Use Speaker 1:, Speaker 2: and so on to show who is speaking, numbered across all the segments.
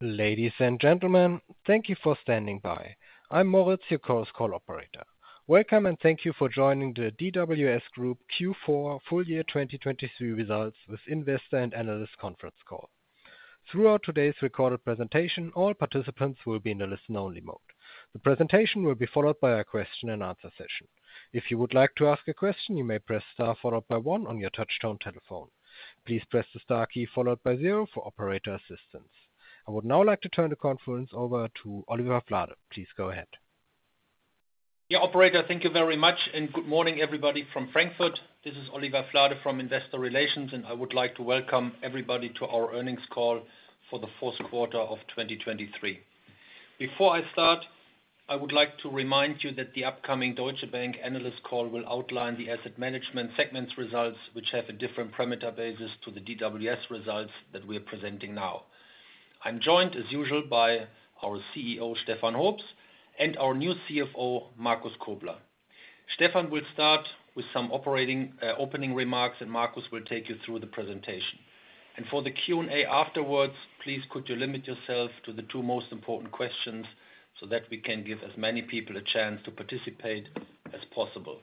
Speaker 1: Ladies and gentlemen, thank you for standing by. I'm Moritz, your Chorus Call operator. Welcome, and thank you for joining the DWS Group Q4 Full Year 2023 results with Investor and Analyst Conference Call. Throughout today's recorded presentation, all participants will be in a listen-only mode. The presentation will be followed by a question-and-answer session. If you would like to ask a question, you may press Star followed by one on your touchtone telephone. Please press the Star key followed by zero for operator assistance. I would now like to turn the conference over to Oliver Flade. Please go ahead.
Speaker 2: Yeah, operator, thank you very much, and good morning, everybody from Frankfurt. This is Oliver Flade from Investor Relations, and I would like to welcome everybody to our earnings call for the fourth quarter of 2023. Before I start, I would like to remind you that the upcoming Deutsche Bank analyst call will outline the asset management segment's results, which have a different parameter basis to the DWS results that we are presenting now. I'm joined, as usual, by our CEO, Stefan Hoops, and our new CFO, Markus Kobler. Stefan will start with some opening remarks, and Markus will take you through the presentation. For the Q&A afterwards, please could you limit yourself to the two most important questions so that we can give as many people a chance to participate as possible.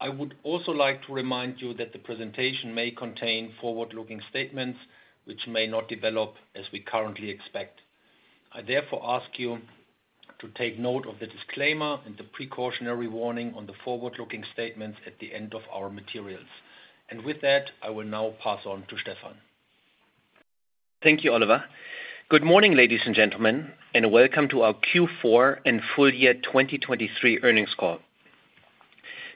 Speaker 2: I would also like to remind you that the presentation may contain forward-looking statements which may not develop as we currently expect. I therefore ask you to take note of the disclaimer and the precautionary warning on the forward-looking statements at the end of our materials. With that, I will now pass on to Stefan.
Speaker 3: Thank you, Oliver. Good morning, ladies and gentlemen, and welcome to our Q4 and full year 2023 earnings call.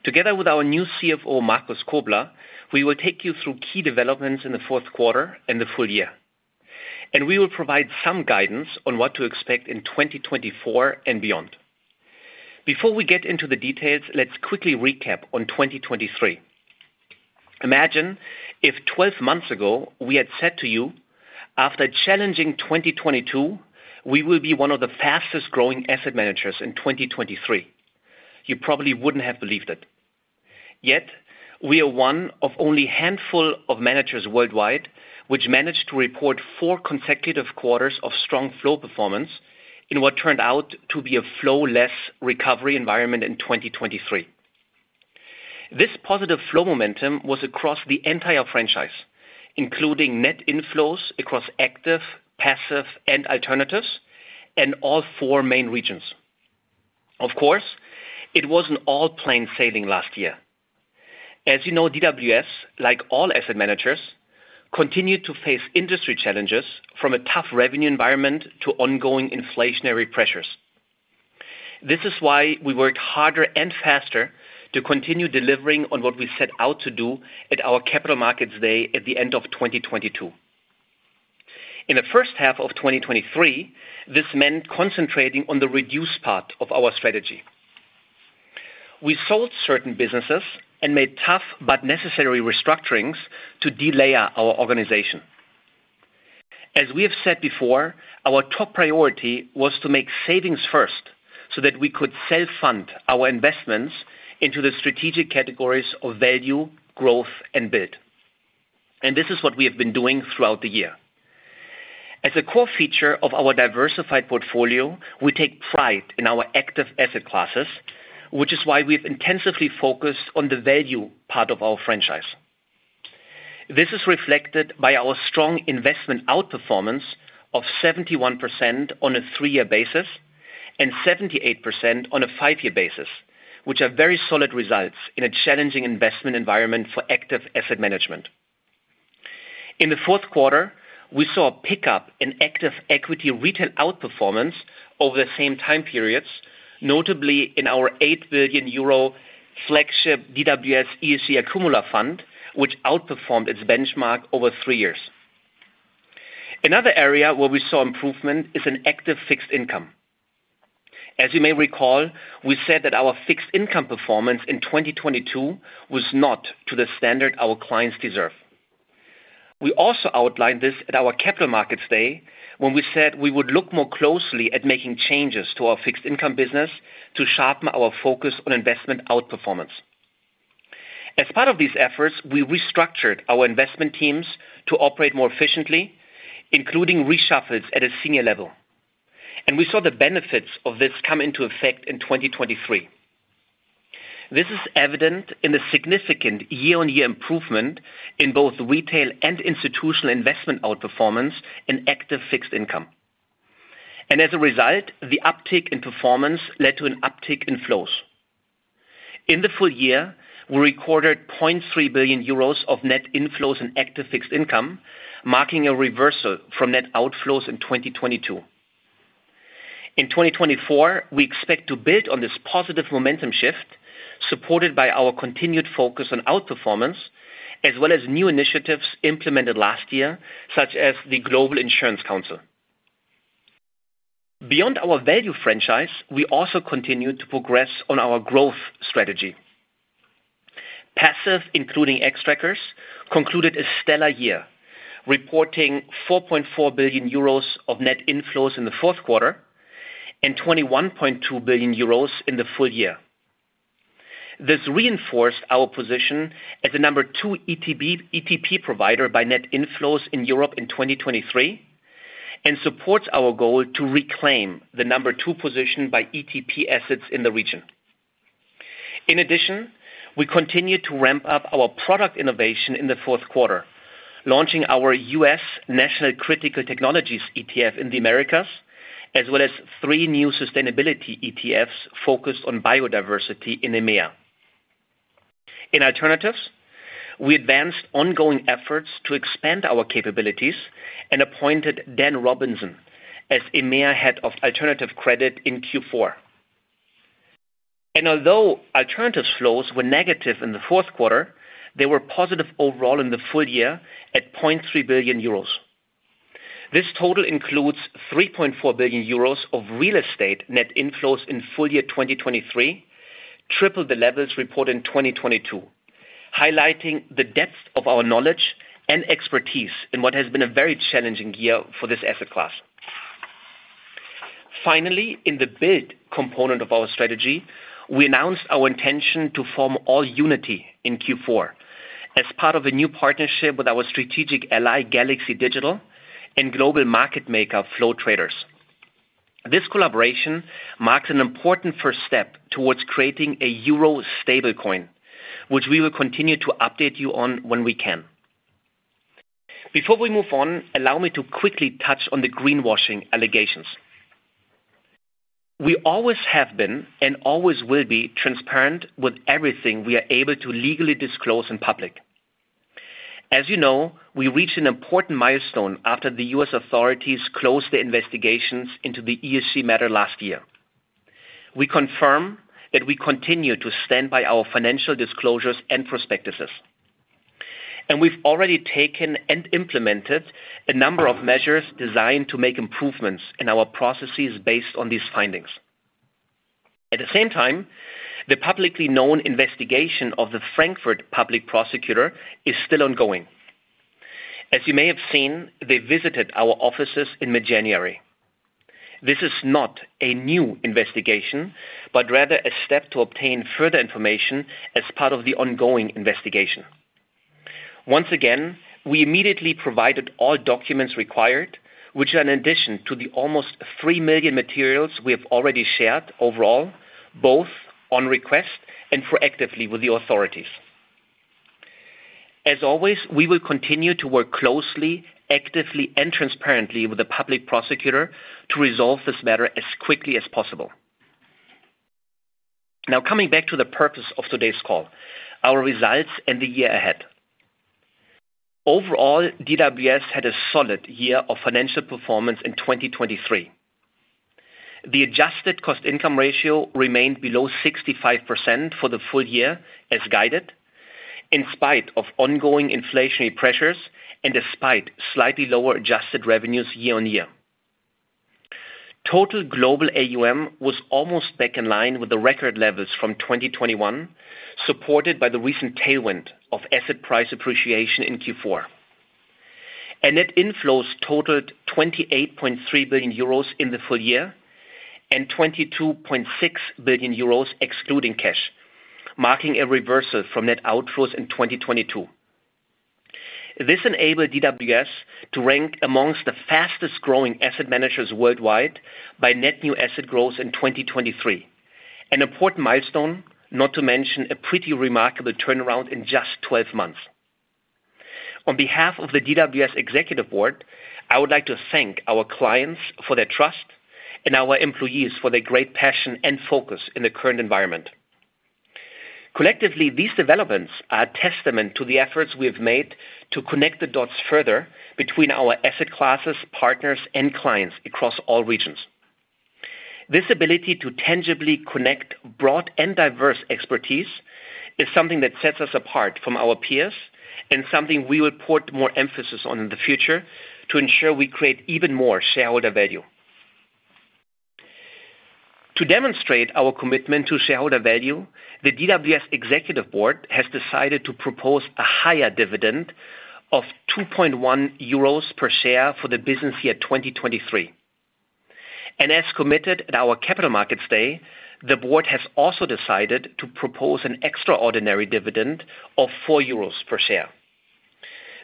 Speaker 3: Together with our new CFO, Markus Kobler, we will take you through key developments in the fourth quarter and the full year, and we will provide some guidance on what to expect in 2024 and beyond. Before we get into the details, let's quickly recap on 2023. Imagine if 12 months ago we had said to you, after a challenging 2022, we will be one of the fastest growing asset managers in 2023. You probably wouldn't have believed it. Yet, we are one of only a handful of managers worldwide which managed to report 4 consecutive quarters of strong flow performance in what turned out to be a flow-less recovery environment in 2023. This positive flow momentum was across the entire franchise, including net inflows across active, passive, and alternatives, in all four main regions. Of course, it wasn't all plain sailing last year. As you know, DWS, like all asset managers, continued to face industry challenges from a tough revenue environment to ongoing inflationary pressures. This is why we worked harder and faster to continue delivering on what we set out to do at our Capital Markets Day at the end of 2022. In the first half of 2023, this meant concentrating on the Reduce part of our strategy. We sold certain businesses and made tough but necessary restructurings to delayer our organization. As we have said before, our top priority was to make savings first, so that we could self-fund our investments into the strategic categories of value, growth, and build. This is what we have been doing throughout the year. As a core feature of our diversified portfolio, we take pride in our active asset classes, which is why we've intensively focused on the value part of our franchise. This is reflected by our strong investment outperformance of 71% on a three-year basis and 78% on a five-year basis, which are very solid results in a challenging investment environment for active asset management. In the fourth quarter, we saw a pickup in active equity retail outperformance over the same time periods, notably in our 8 billion euro flagship DWS ESG Akkumula Fund, which outperformed its benchmark over three years. Another area where we saw improvement is in active fixed income. As you may recall, we said that our fixed income performance in 2022 was not to the standard our clients deserve. We also outlined this at our Capital Markets Day when we said we would look more closely at making changes to our fixed income business to sharpen our focus on investment outperformance. As part of these efforts, we restructured our investment teams to operate more efficiently, including reshuffles at a senior level, and we saw the benefits of this come into effect in 2023. This is evident in the significant year-on-year improvement in both retail and institutional investment outperformance in active fixed income. As a result, the uptick in performance led to an uptick in flows. In the full year, we recorded 0.3 billion euros of net inflows in active fixed income, marking a reversal from net outflows in 2022. In 2024, we expect to build on this positive momentum shift, supported by our continued focus on outperformance, as well as new initiatives implemented last year, such as the Global Insurance Council. Beyond our value franchise, we also continued to progress on our growth strategy. Passive, including Xtrackers, concluded a stellar year, reporting 4.4 billion euros of net inflows in the fourth quarter and 21.2 billion euros in the full year. This reinforced our position as the number two ETP provider by net inflows in Europe in 2023, and supports our goal to reclaim the number two position by ETP assets in the region. In addition, we continued to ramp up our product innovation in the fourth quarter, launching our U.S. National Critical Technologies ETF in the Americas, as well as 3 new sustainability ETFs focused on biodiversity in EMEA. In alternatives, we advanced ongoing efforts to expand our capabilities and appointed Dan Robinson as EMEA head of alternative credit in Q4. Although alternative flows were negative in the fourth quarter, they were positive overall in the full year at 0.3 billion euros. This total includes 3.4 billion euros of real estate net inflows in full year 2023, triple the levels reported in 2022, highlighting the depth of our knowledge and expertise in what has been a very challenging year for this asset class. Finally, in the build component of our strategy, we announced our intention to form AllUnity in Q4 as part of a new partnership with our strategic ally, Galaxy Digital, and global market maker, Flow Traders. This collaboration marks an important first step towards creating a euro stablecoin, which we will continue to update you on when we can. Before we move on, allow me to quickly touch on the greenwashing allegations. We always have been, and always will be, transparent with everything we are able to legally disclose in public. As you know, we reached an important milestone after the U.S. authorities closed their investigations into the ESG matter last year. We confirm that we continue to stand by our financial disclosures and prospectuses, and we've already taken and implemented a number of measures designed to make improvements in our processes based on these findings. At the same time, the publicly known investigation of the Frankfurt public prosecutor is still ongoing. As you may have seen, they visited our offices in mid-January. This is not a new investigation, but rather a step to obtain further information as part of the ongoing investigation. Once again, we immediately provided all documents required, which are in addition to the almost 3 million materials we have already shared overall, both on request and proactively with the authorities. As always, we will continue to work closely, actively, and transparently with the public prosecutor to resolve this matter as quickly as possible. Now, coming back to the purpose of today's call, our results and the year ahead. Overall, DWS had a solid year of financial performance in 2023. The adjusted cost income ratio remained below 65% for the full year, as guided, in spite of ongoing inflationary pressures and despite slightly lower adjusted revenues year-on-year. Total global AUM was almost back in line with the record levels from 2021, supported by the recent tailwind of asset price appreciation in Q4. Net inflows totaled 28.3 billion euros in the full year, and 22.6 billion euros excluding cash, marking a reversal from net outflows in 2022. This enabled DWS to rank amongst the fastest growing asset managers worldwide by net new asset growth in 2023. An important milestone, not to mention a pretty remarkable turnaround in just 12 months. On behalf of the DWS executive board, I would like to thank our clients for their trust and our employees for their great passion and focus in the current environment. Collectively, these developments are a testament to the efforts we have made to connect the dots further between our asset classes, partners, and clients across all regions. This ability to tangibly connect broad and diverse expertise is something that sets us apart from our peers and something we will put more emphasis on in the future to ensure we create even more shareholder value. To demonstrate our commitment to shareholder value, the DWS Executive Board has decided to propose a higher dividend of 2.1 euros per share for the business year 2023. As committed at our Capital Markets Day, the board has also decided to propose an extraordinary dividend of 4 euros per share.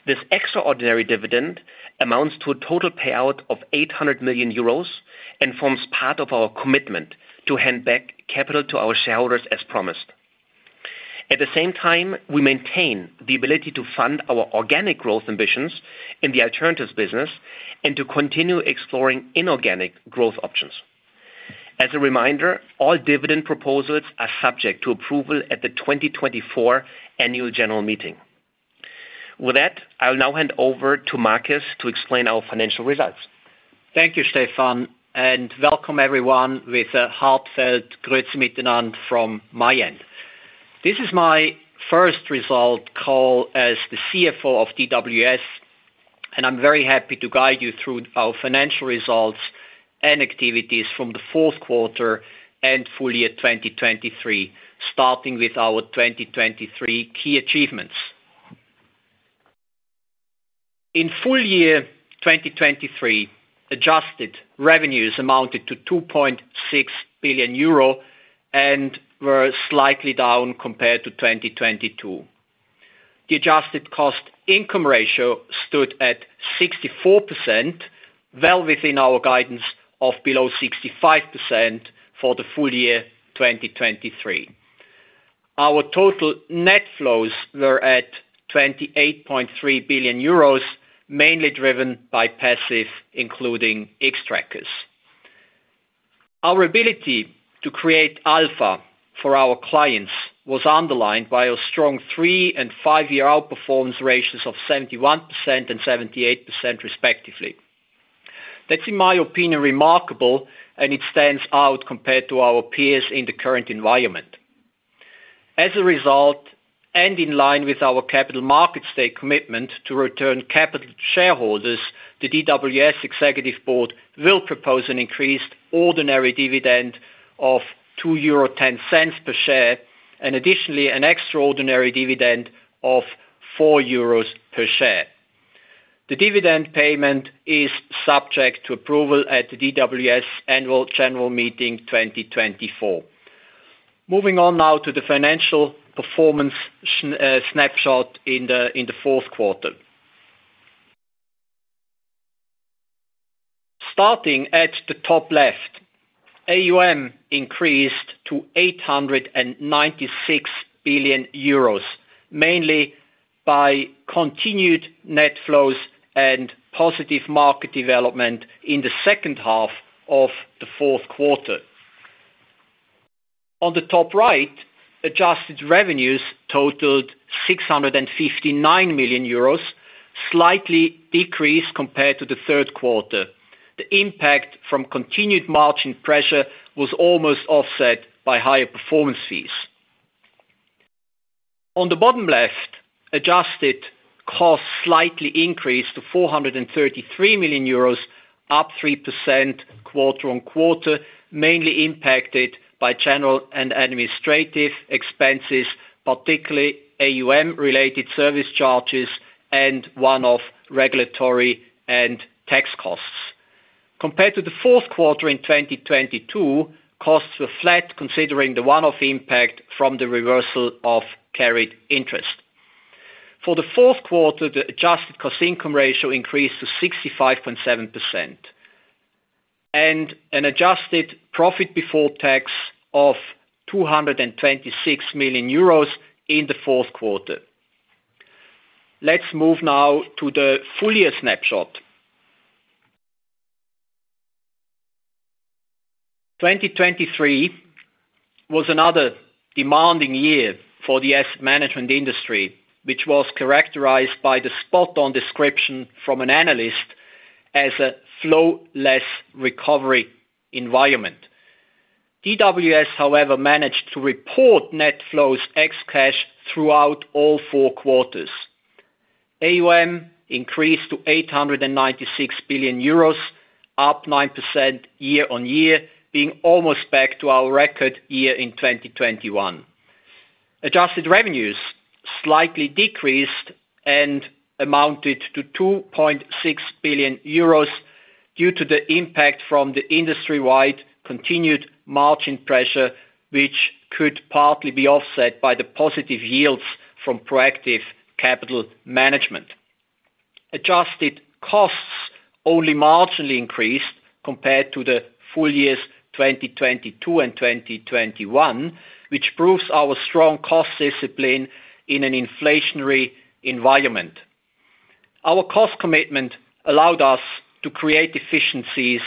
Speaker 3: This extraordinary dividend amounts to a total payout of 800 million euros and forms part of our commitment to hand back capital to our shareholders as promised. At the same time, we maintain the ability to fund our organic growth ambitions in the alternatives business and to continue exploring inorganic growth options. As a reminder, all dividend proposals are subject to approval at the 2024 Annual General Meeting. With that, I'll now hand over to Markus to explain our financial results.
Speaker 4: Thank you, Stefan, and welcome everyone with a heartfelt grüz mitnan from my end. This is my first result call as the CFO of DWS, and I'm very happy to guide you through our financial results and activities from the fourth quarter and full year 2023, starting with our 2023 key achievements.... In full year 2023, adjusted revenues amounted to 2.6 billion euro and were slightly down compared to 2022. The adjusted cost income ratio stood at 64%, well within our guidance of below 65% for the full year 2023. Our total net flows were at 28.3 billion euros, mainly driven by passive, including Xtrackers. Our ability to create alpha for our clients was underlined by a strong 3- and 5-year outperformance ratios of 71% and 78%, respectively. That's, in my opinion, remarkable, and it stands out compared to our peers in the current environment. As a result, and in line with our capital market state commitment to return capital to shareholders, the DWS executive board will propose an increased ordinary dividend of 2.10 euro per share, and additionally, an extraordinary dividend of 4 euros per share. The dividend payment is subject to approval at the DWS Annual General Meeting 2024. Moving on now to the financial performance snapshot in the fourth quarter. Starting at the top left, AUM increased to 896 billion euros, mainly by continued net flows and positive market development in the second half of the fourth quarter. On the top right, adjusted revenues totaled 659 million euros, slightly decreased compared to the third quarter. The impact from continued margin pressure was almost offset by higher performance fees. On the bottom left, adjusted costs slightly increased to 433 million euros, up 3% quarter-on-quarter, mainly impacted by general and administrative expenses, particularly AUM-related service charges and one-off regulatory and tax costs. Compared to the fourth quarter in 2022, costs were flat, considering the one-off impact from the reversal of carried interest. For the fourth quarter, the adjusted cost income ratio increased to 65.7%, and an adjusted profit before tax of 226 million euros in the fourth quarter. Let's move now to the full year snapshot. 2023 was another demanding year for the asset management industry, which was characterized by the spot-on description from an analyst as a flow-less recovery environment. DWS, however, managed to report net flows ex-cash throughout all four quarters. AUM increased to 896 billion euros, up 9% year-on-year, being almost back to our record year in 2021. Adjusted revenues slightly decreased and amounted to 2.6 billion euros due to the impact from the industry-wide continued margin pressure, which could partly be offset by the positive yields from proactive capital management. Adjusted costs only marginally increased compared to the full years 2022 and 2021, which proves our strong cost discipline in an inflationary environment. Our cost commitment allowed us to create efficiencies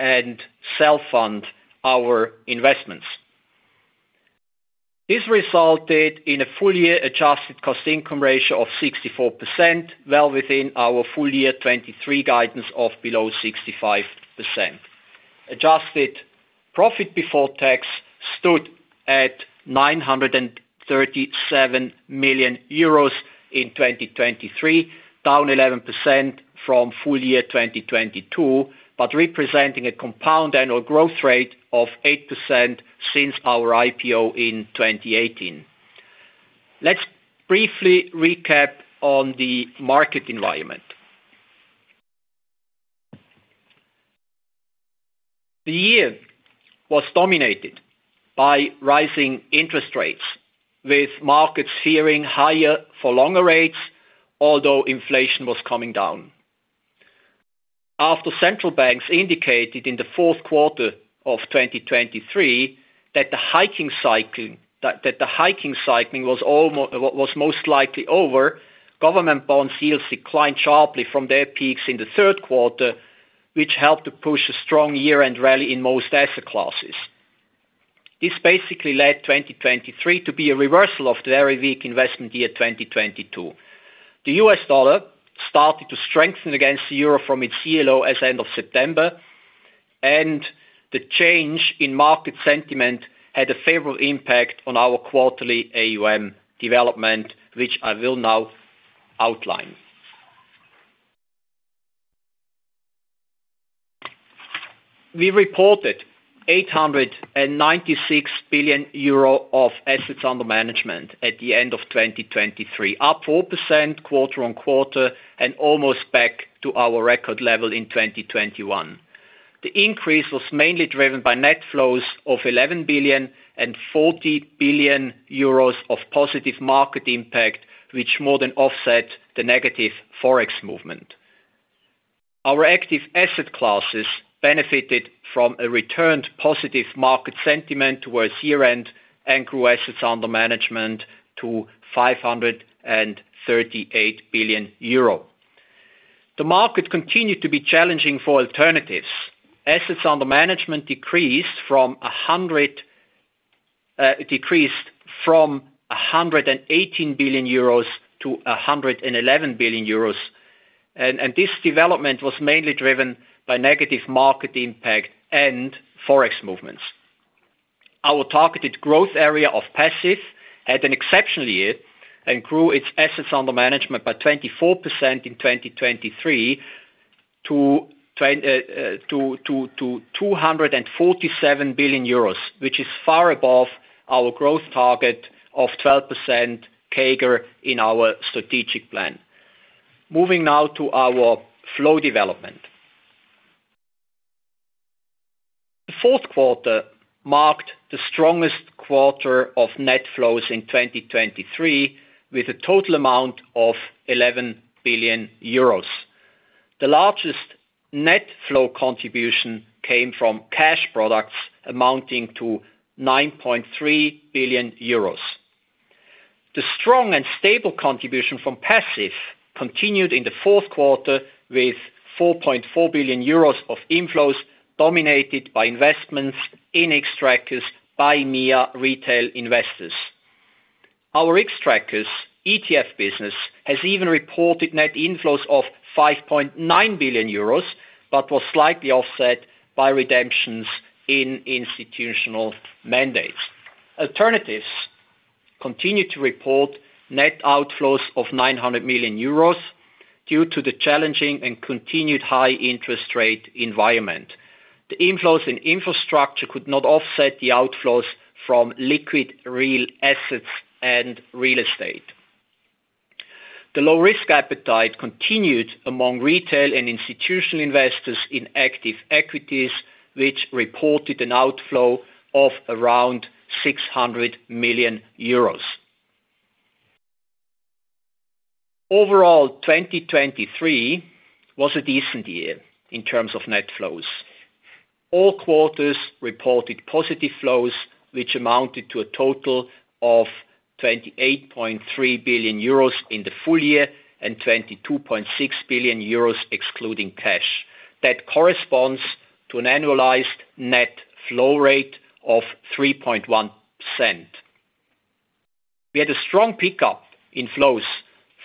Speaker 4: and self-fund our investments. This resulted in a full year adjusted cost income ratio of 64%, well within our full year 2023 guidance of below 65%. Adjusted profit before tax stood at 937 million euros in 2023, down 11% from full year 2022, but representing a compound annual growth rate of 8% since our IPO in 2018. Let's briefly recap on the market environment. The year was dominated by rising interest rates, with markets fearing higher for longer rates, although inflation was coming down. After central banks indicated in the fourth quarter of 2023 that the hiking cycle was most likely over, government bond yields declined sharply from their peaks in the third quarter, which helped to push a strong year-end rally in most asset classes. This basically led 2023 to be a reversal of the very weak investment year, 2022. The US dollar started to strengthen against the euro from its low as end of September, and the change in market sentiment had a favorable impact on our quarterly AUM development, which I will now outline. We reported 896 billion euro of assets under management at the end of 2023, up 4% quarter-on-quarter, and almost back to our record level in 2021. The increase was mainly driven by net flows of 11 billion and 40 billion euros of positive market impact, which more than offset the negative Forex movement. Our active asset classes benefited from a returned positive market sentiment towards year-end, and grew assets under management to 538 billion euro. The market continued to be challenging for alternatives. Assets under management decreased from 118 billion euros to 111 billion euros, and this development was mainly driven by negative market impact and Forex movements. Our targeted growth area of passive had an exceptional year and grew its assets under management by 24% in 2023 to 247 billion euros, which is far above our growth target of 12% CAGR in our strategic plan. Moving now to our flow development. The fourth quarter marked the strongest quarter of net flows in 2023, with a total amount of 11 billion euros. The largest net flow contribution came from cash products amounting to 9.3 billion euros. The strong and stable contribution from passive continued in the fourth quarter, with 4.4 billion euros of inflows, dominated by investments in Xtrackers by EMEA retail investors. Our Xtrackers ETF business has even reported net inflows of 5.9 billion euros, but was slightly offset by redemptions in institutional mandates. Alternatives continued to report net outflows of 900 million euros due to the challenging and continued high interest rate environment. The inflows in infrastructure could not offset the outflows from liquid real assets and real estate. The low risk appetite continued among retail and institutional investors in active equities, which reported an outflow of around 600 million euros. Overall, 2023 was a decent year in terms of net flows. All quarters reported positive flows, which amounted to a total of 28.3 billion euros in the full year and 22.6 billion euros excluding cash. That corresponds to an annualized net flow rate of 3.1%. We had a strong pickup in flows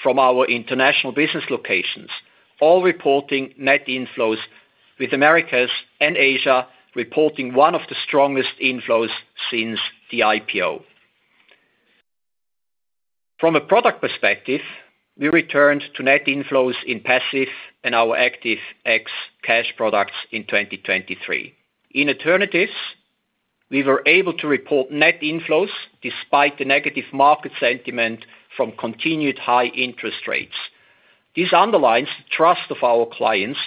Speaker 4: from our international business locations, all reporting net inflows, with Americas and Asia reporting one of the strongest inflows since the IPO. From a product perspective, we returned to net inflows in passive and our active ex cash products in 2023. In alternatives, we were able to report net inflows despite the negative market sentiment from continued high interest rates. This underlines the trust of our clients,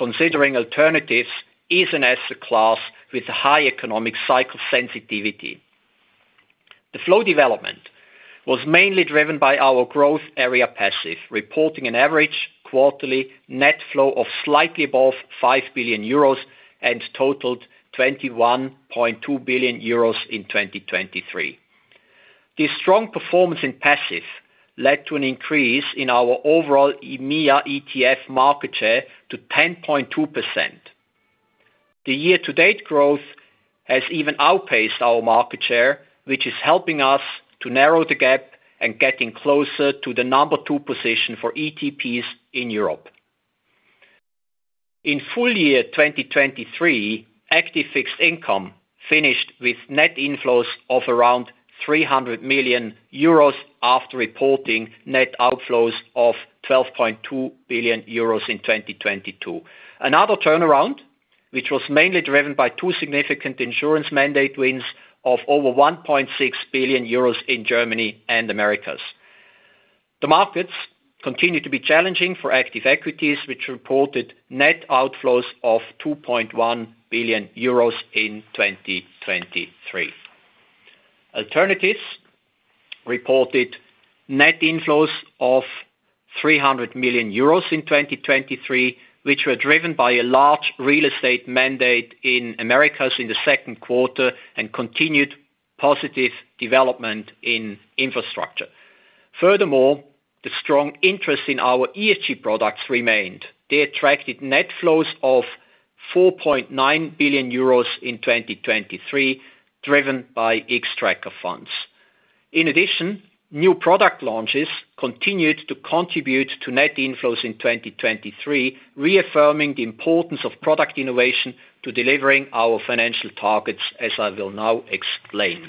Speaker 4: considering alternatives is an asset class with a high economic cycle sensitivity. The flow development was mainly driven by our growth area passive, reporting an average quarterly net flow of slightly above 5 billion euros and totaled 21.2 billion euros in 2023. This strong performance in passive led to an increase in our overall EMEA ETF market share to 10.2%. The year-to-date growth has even outpaced our market share, which is helping us to narrow the gap and getting closer to the number two position for ETPs in Europe. In full year 2023, active fixed income finished with net inflows of around 300 million euros, after reporting net outflows of 12.2 billion euros in 2022. Another turnaround, which was mainly driven by two significant insurance mandate wins of over 1.6 billion euros in Germany and Americas. The markets continued to be challenging for active equities, which reported net outflows of 2.1 billion euros in 2023. Alternatives reported net inflows of 300 million euros in 2023, which were driven by a large real estate mandate in Americas in the second quarter and continued positive development in infrastructure. Furthermore, the strong interest in our ESG products remained. They attracted net flows of 4.9 billion euros in 2023, driven by Xtrackers funds. In addition, new product launches continued to contribute to net inflows in 2023, reaffirming the importance of product innovation to delivering our financial targets, as I will now explain.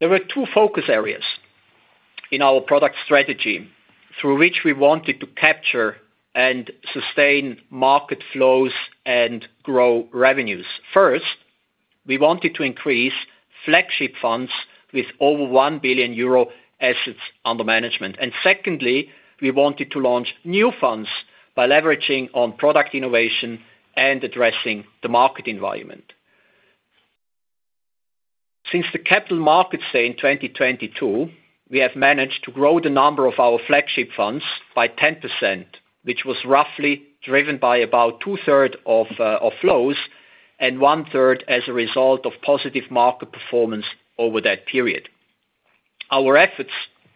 Speaker 4: There were two focus areas in our product strategy through which we wanted to capture and sustain market flows and grow revenues. First, we wanted to increase flagship funds with over 1 billion euro assets under management. Secondly, we wanted to launch new funds by leveraging on product innovation and addressing the market environment. Since the capital markets day in 2022, we have managed to grow the number of our flagship funds by 10%, which was roughly driven by about two-thirds of flows and one-third as a result of positive market performance over that period. Our efforts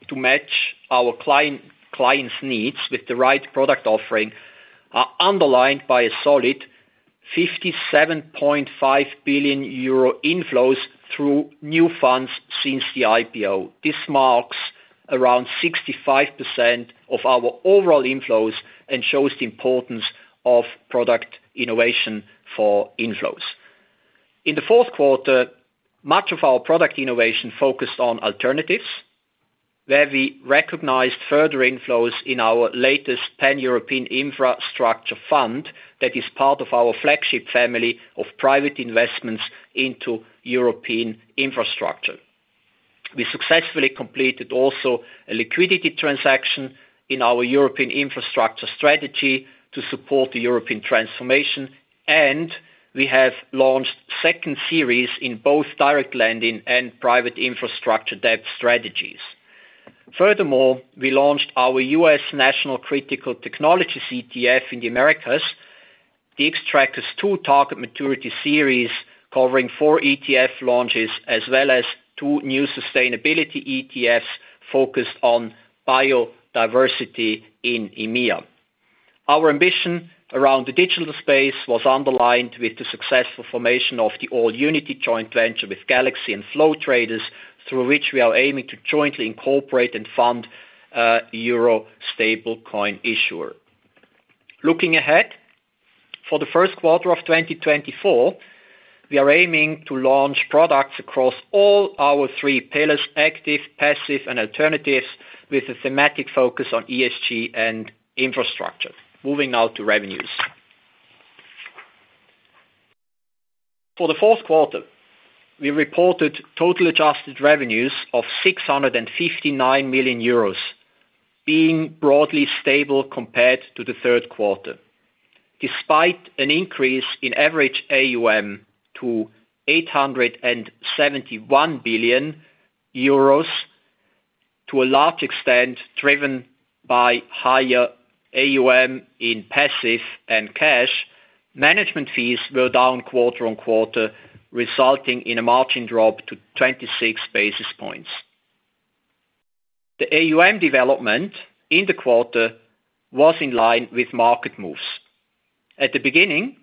Speaker 4: to match our clients' needs with the right product offering are underlined by a solid 57.5 billion euro inflows through new funds since the IPO. This marks around 65% of our overall inflows and shows the importance of product innovation for inflows. In the fourth quarter, much of our product innovation focused on alternatives, where we recognized further inflows in our latest Pan-European Infrastructure Fund, that is part of our flagship family of private investments into European infrastructure. We successfully completed also a liquidity transaction in our European infrastructure strategy to support the European transformation, and we have launched second series in both direct lending and private infrastructure debt strategies. Furthermore, we launched our U.S. National Critical Technologies ETF in the Americas. The Xtrackers II target maturity series, covering 4 ETF launches, as well as 2 new sustainability ETFs focused on biodiversity in EMEA. Our ambition around the digital space was underlined with the successful formation of the AllUnity joint venture with Galaxy and Flow Traders, through which we are aiming to jointly incorporate and fund euro stablecoin issuer. Looking ahead, for the first quarter of 2024, we are aiming to launch products across all our 3 pillars, active, passive, and alternatives, with a thematic focus on ESG and infrastructure. Moving now to revenues. For the fourth quarter, we reported total adjusted revenues of 659 million euros, being broadly stable compared to the third quarter. Despite an increase in average AUM to 871 billion euros, to a large extent driven by higher AUM in passive and cash, management fees were down quarter on quarter, resulting in a margin drop to 26 basis points. The AUM development in the quarter was in line with market moves. At the beginning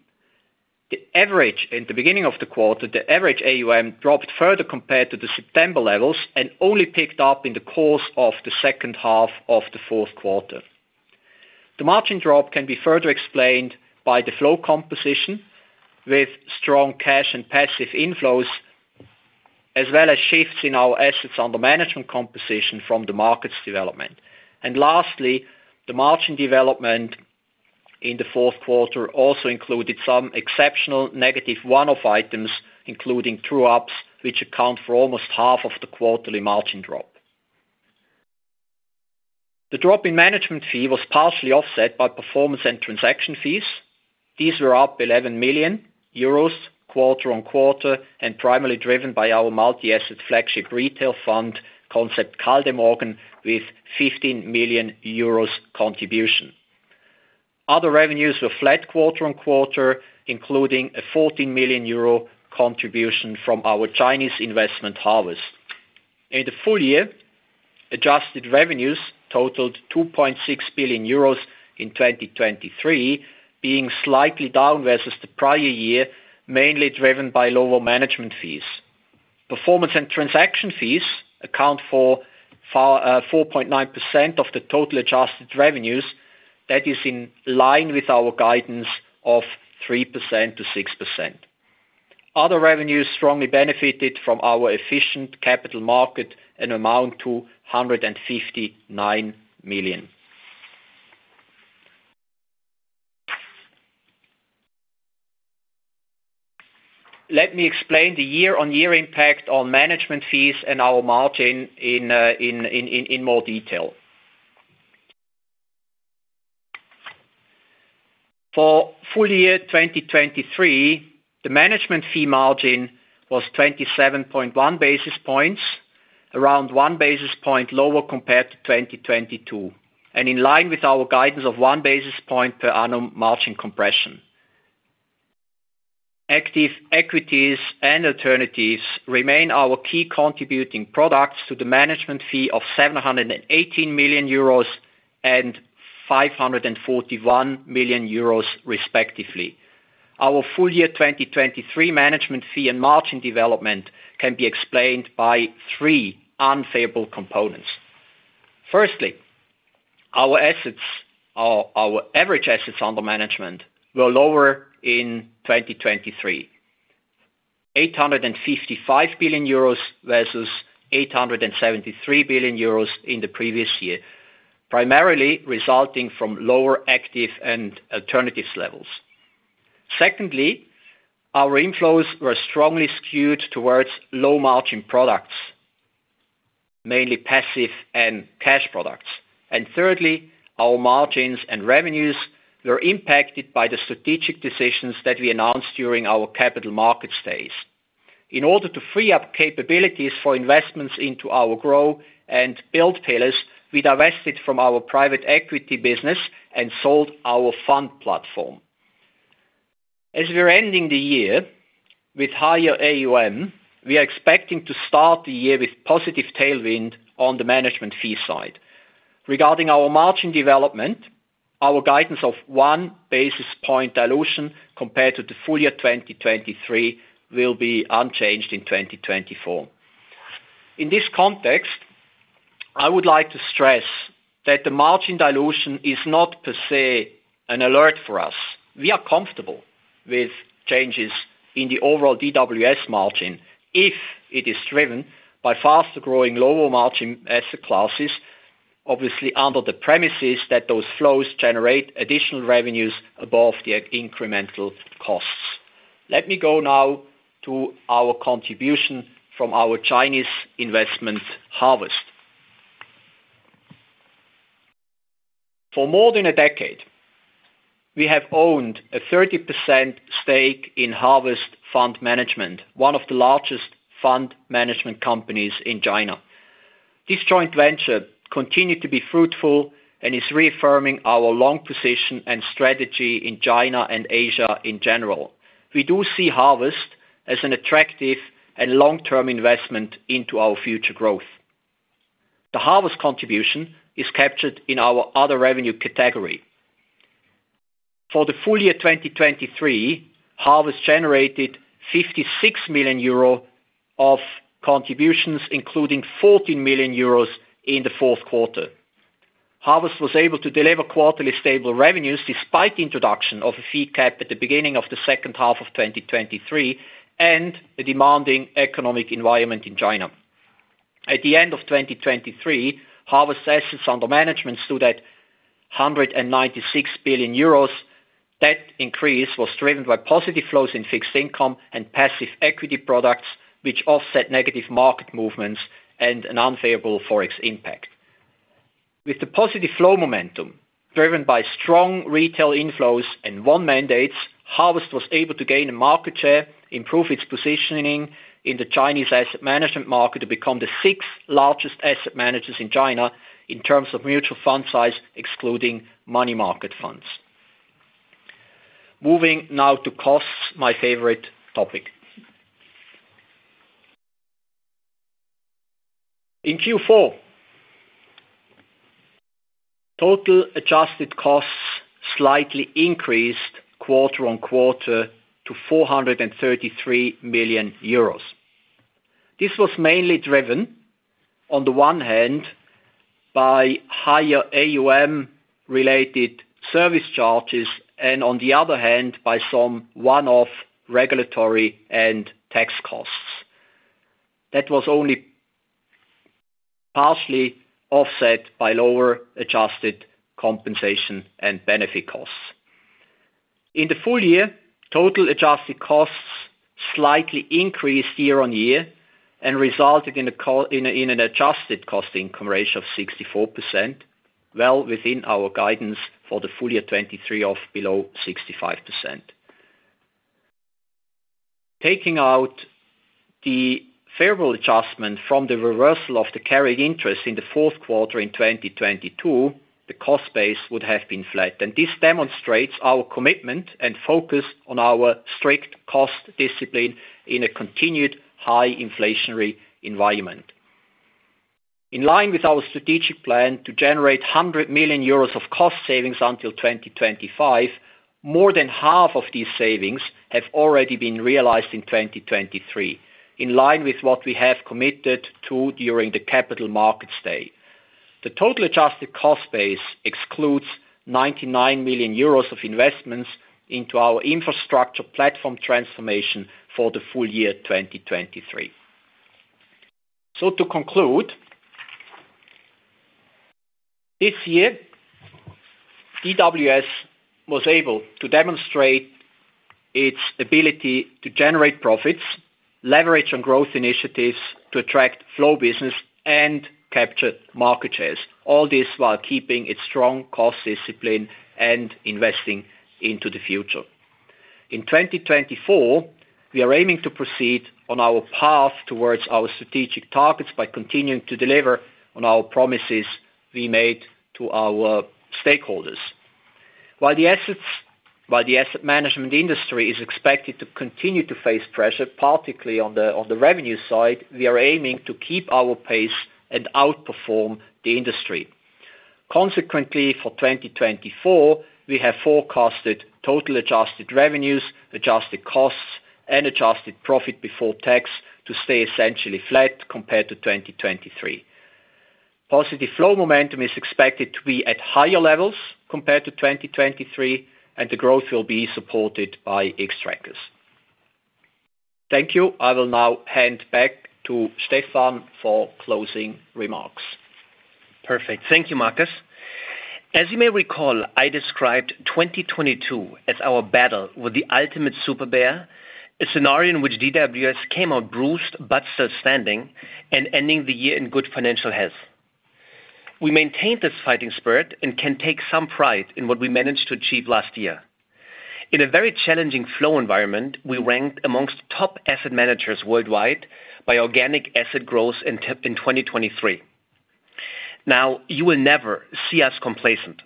Speaker 4: of the quarter, the average AUM dropped further compared to the September levels and only picked up in the course of the second half of the fourth quarter. The margin drop can be further explained by the flow composition, with strong cash and passive inflows, as well as shifts in our assets under management composition from the markets development. Lastly, the margin development in the fourth quarter also included some exceptional negative one-off items, including true ups, which account for almost half of the quarterly margin drop. The drop in management fee was partially offset by performance and transaction fees. These were up 11 million euros, quarter-on-quarter, and primarily driven by our multi-asset flagship retail fund Concept Kaldemorgen, with 15 million euros contribution. Other revenues were flat quarter-on-quarter, including a 14 million euro contribution from our Chinese investment Harvest. In the full year, adjusted revenues totaled 2.6 billion euros in 2023, being slightly down versus the prior year, mainly driven by lower management fees. Performance and transaction fees account for 4.9% of the total adjusted revenues. That is in line with our guidance of 3%-6%. Other revenues strongly benefited from our efficient capital market and amount to 159 million. Let me explain the year-on-year impact on management fees and our margin in more detail. For full year 2023, the management fee margin was 27.1 basis points, around 1 basis point lower compared to 2022, and in line with our guidance of 1 basis point per annum margin compression. Active equities and alternatives remain our key contributing products to the management fee of 718 million euros and 541 million euros, respectively. Our full year 2023 management fee and margin development can be explained by three unfavorable components. Firstly, our average assets under management were lower in 2023. 855 billion euros versus 873 billion euros in the previous year, primarily resulting from lower active and alternatives levels. Secondly, our inflows were strongly skewed towards low-margin products, mainly passive and cash products. And thirdly, our margins and revenues were impacted by the strategic decisions that we announced during our capital markets days. In order to free up capabilities for investments into our grow and build pillars, we divested from our private equity business and sold our fund platform. As we are ending the year with higher AUM, we are expecting to start the year with positive tailwind on the management fee side. Regarding our margin development, our guidance of one basis point dilution compared to the full year 2023, will be unchanged in 2024. In this context, I would like to stress that the margin dilution is not per se an alert for us. We are comfortable with changes in the overall DWS margin if it is driven by faster growing, lower margin asset classes, obviously, under the premises that those flows generate additional revenues above the incremental costs. Let me go now to our contribution from our Chinese investment Harvest. For more than a decade, we have owned a 30% stake in Harvest Fund Management, one of the largest fund management companies in China. This joint venture continued to be fruitful and is reaffirming our long position and strategy in China and Asia in general. We do see Harvest as an attractive and long-term investment into our future growth. The Harvest contribution is captured in our other revenue category. For the full year 2023, Harvest generated 56 million euro of contributions, including 14 million euros in the fourth quarter. Harvest was able to deliver quarterly stable revenues, despite the introduction of a fee cap at the beginning of the second half of 2023, and the demanding economic environment in China. At the end of 2023, Harvest assets under management stood at 196 billion euros. That increase was driven by positive flows in fixed income and passive equity products, which offset negative market movements and an unfavorable Forex impact. With the positive flow momentum driven by strong retail inflows and one mandates, Harvest was able to gain a market share, improve its positioning in the Chinese asset management market, to become the sixth largest asset managers in China in terms of mutual fund size, excluding money market funds. Moving now to costs, my favorite topic. In Q4, total adjusted costs slightly increased quarter-on-quarter to 433 million euros. This was mainly driven, on the one hand, by higher AUM-related service charges, and on the other hand, by some one-off regulatory and tax costs. That was only partially offset by lower adjusted compensation and benefit costs. In the full year, total adjusted costs slightly increased year-on-year and resulted in an adjusted Cost Income Ratio of 64%, well within our guidance for the full year 2023 of below 65%. Taking out the favorable adjustment from the reversal of the carrying interest in the fourth quarter in 2022, the cost base would have been flat, and this demonstrates our commitment and focus on our strict cost discipline in a continued high inflationary environment. In line with our strategic plan to generate 100 million euros of cost savings until 2025, more than half of these savings have already been realized in 2023, in line with what we have committed to during the capital markets day. The total adjusted cost base excludes 99 million euros of investments into our infrastructure platform transformation for the full year 2023. So to conclude, this year, DWS was able to demonstrate its ability to generate profits, leverage on growth initiatives to attract flow business, and capture market shares, all this while keeping its strong cost discipline and investing into the future. In 2024, we are aiming to proceed on our path towards our strategic targets by continuing to deliver on our promises we made to our stakeholders. While the asset management industry is expected to continue to face pressure, particularly on the revenue side, we are aiming to keep our pace and outperform the industry. Consequently, for 2024, we have forecasted total adjusted revenues, adjusted costs and adjusted profit before tax to stay essentially flat compared to 2023. Positive flow momentum is expected to be at higher levels compared to 2023, and the growth will be supported by Xtrackers. Thank you. I will now hand back to Stefan for closing remarks.
Speaker 3: Perfect. Thank you, Markus. As you may recall, I described 2022 as our battle with the ultimate super bear, a scenario in which DWS came out bruised but still standing and ending the year in good financial health. We maintained this fighting spirit and can take some pride in what we managed to achieve last year. In a very challenging flow environment, we ranked among top asset managers worldwide by organic asset growth in 2023. Now, you will never see us complacent,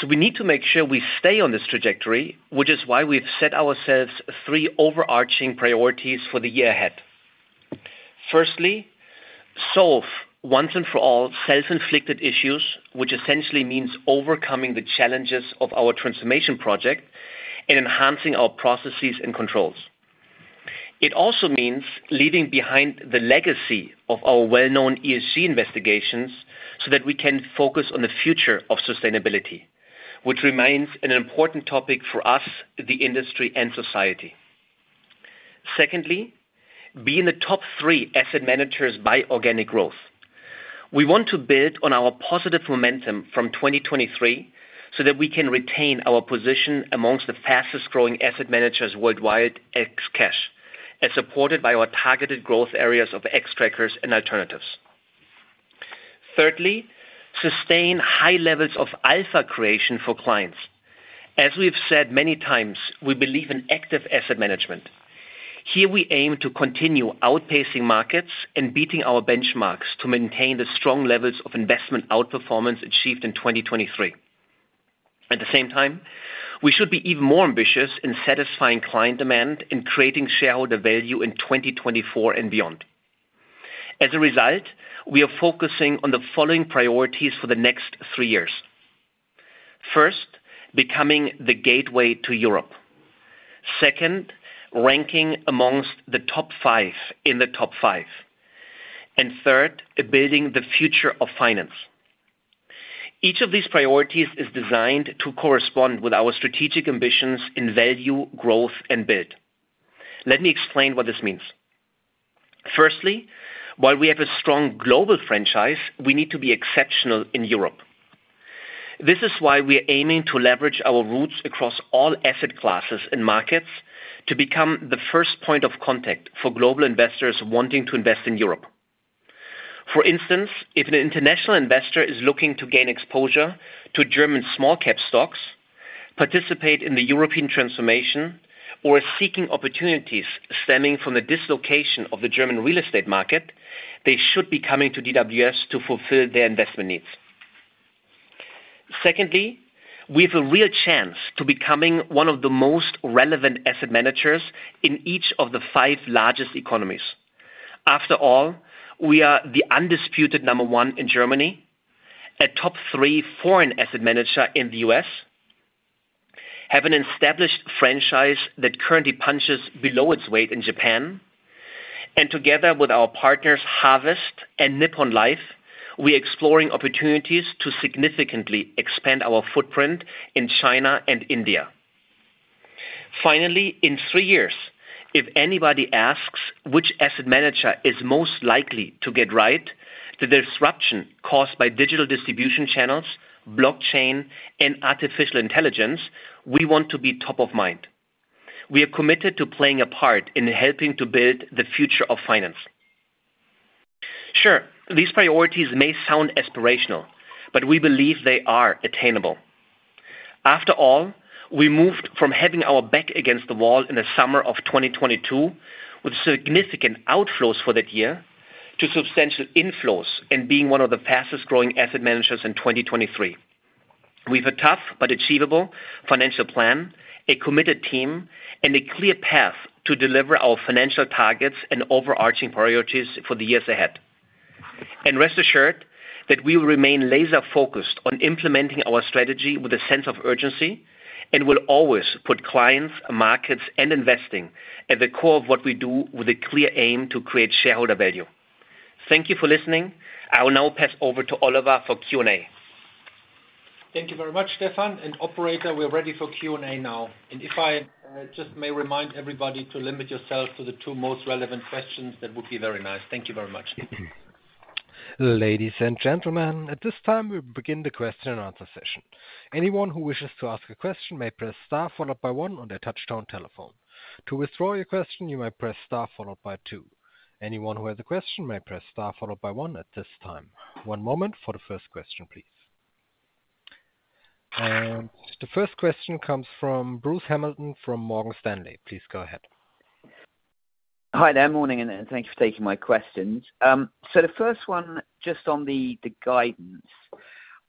Speaker 3: so we need to make sure we stay on this trajectory, which is why we've set ourselves three overarching priorities for the year ahead. Firstly, solve once and for all, self-inflicted issues, which essentially means overcoming the challenges of our transformation project and enhancing our processes and controls. It also means leaving behind the legacy of our well-known ESG investigations, so that we can focus on the future of sustainability, which remains an important topic for us, the industry, and society. Secondly, be in the top three asset managers by organic growth. We want to build on our positive momentum from 2023 so that we can retain our position amongst the fastest growing asset managers worldwide, ex-cash, as supported by our targeted growth areas of Xtrackers and alternatives. Thirdly, sustain high levels of alpha creation for clients. As we've said many times, we believe in active asset management. Here we aim to continue outpacing markets and beating our benchmarks to maintain the strong levels of investment outperformance achieved in 2023. At the same time, we should be even more ambitious in satisfying client demand, in creating shareholder value in 2024 and beyond. As a result, we are focusing on the following priorities for the next three years. First, becoming the gateway to Europe. Second, ranking among the top five in the top five. Third, building the future of finance. Each of these priorities is designed to correspond with our strategic ambitions in value, growth, and build. Let me explain what this means. Firstly, while we have a strong global franchise, we need to be exceptional in Europe. This is why we are aiming to leverage our roots across all asset classes and markets to become the first point of contact for global investors wanting to invest in Europe. For instance, if an international investor is looking to gain exposure to German small cap stocks, participate in the European transformation, or is seeking opportunities stemming from the dislocation of the German real estate market, they should be coming to DWS to fulfill their investment needs. Secondly, we have a real chance to becoming one of the most relevant asset managers in each of the five largest economies. After all, we are the undisputed number one in Germany, a top three foreign asset manager in the U.S., have an established franchise that currently punches below its weight in Japan, and together with our partners, Harvest and Nippon Life, we are exploring opportunities to significantly expand our footprint in China and India. Finally, in three years, if anybody asks which asset manager is most likely to get right, the disruption caused by digital distribution channels, blockchain, and artificial intelligence, we want to be top of mind. We are committed to playing a part in helping to build the future of finance. Sure, these priorities may sound aspirational, but we believe they are attainable. After all, we moved from having our back against the wall in the summer of 2022, with significant outflows for that year, to substantial inflows and being one of the fastest growing asset managers in 2023. We have a tough but achievable financial plan, a committed team, and a clear path to deliver our financial targets and overarching priorities for the years ahead. Rest assured that we will remain laser focused on implementing our strategy with a sense of urgency, and will always put clients, markets, and investing at the core of what we do with a clear aim to create shareholder value. Thank you for listening. I will now pass over to Oliver for Q&A.
Speaker 4: Thank you very much, Stefan. Operator, we are ready for Q&A now. If I just may remind everybody to limit yourself to the two most relevant questions, that would be very nice. Thank you very much.
Speaker 1: Ladies and gentlemen, at this time, we'll begin the question and answer session. Anyone who wishes to ask a question may press star followed by one on their touchtone telephone. To withdraw your question, you may press star followed by two. Anyone who has a question may press star followed by one at this time. One moment for the first question, please. The first question comes from Bruce Hamilton from Morgan Stanley. Please go ahead.
Speaker 5: Hi there. Morning, and thank you for taking my questions. So the first one, just on the guidance.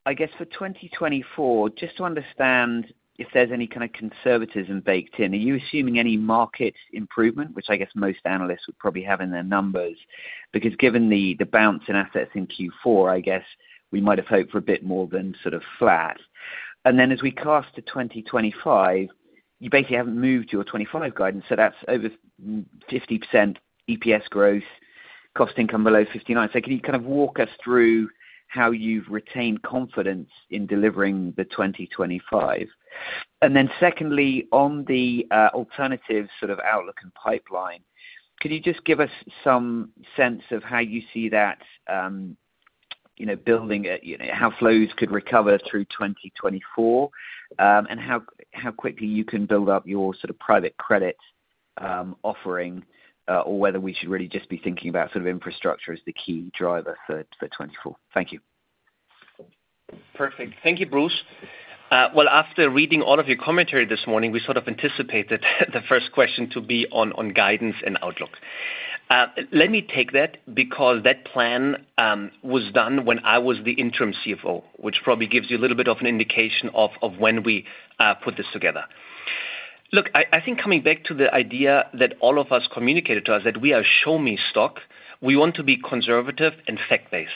Speaker 5: I guess for 2024, just to understand if there's any kind of conservatism baked in, are you assuming any market improvement, which I guess most analysts would probably have in their numbers? Because given the bounce in assets in Q4, I guess we might have hoped for a bit more than sort of flat. Then as we look to 2025, you basically haven't moved your 25 guidance, so that's over 50% EPS growth, cost income below 59%. So can you kind of walk us through how you've retained confidence in delivering the 2025? And then secondly, on the alternative sort of outlook and pipeline, could you just give us some sense of how you see that, you know, building it, you know, how flows could recover through 2024, and how quickly you can build up your sort of private credit offering, or whether we should really just be thinking about sort of infrastructure as the key driver for 2024? Thank you.
Speaker 3: Perfect. Thank you, Bruce. Well, after reading all of your commentary this morning, we sort of anticipated the first question to be on guidance and outlook. Let me take that, because that plan was done when I was the interim CFO, which probably gives you a little bit of an indication of when we put this together. Look, I think coming back to the idea that all of us communicated to us, that we are show me stock, we want to be conservative and fact-based.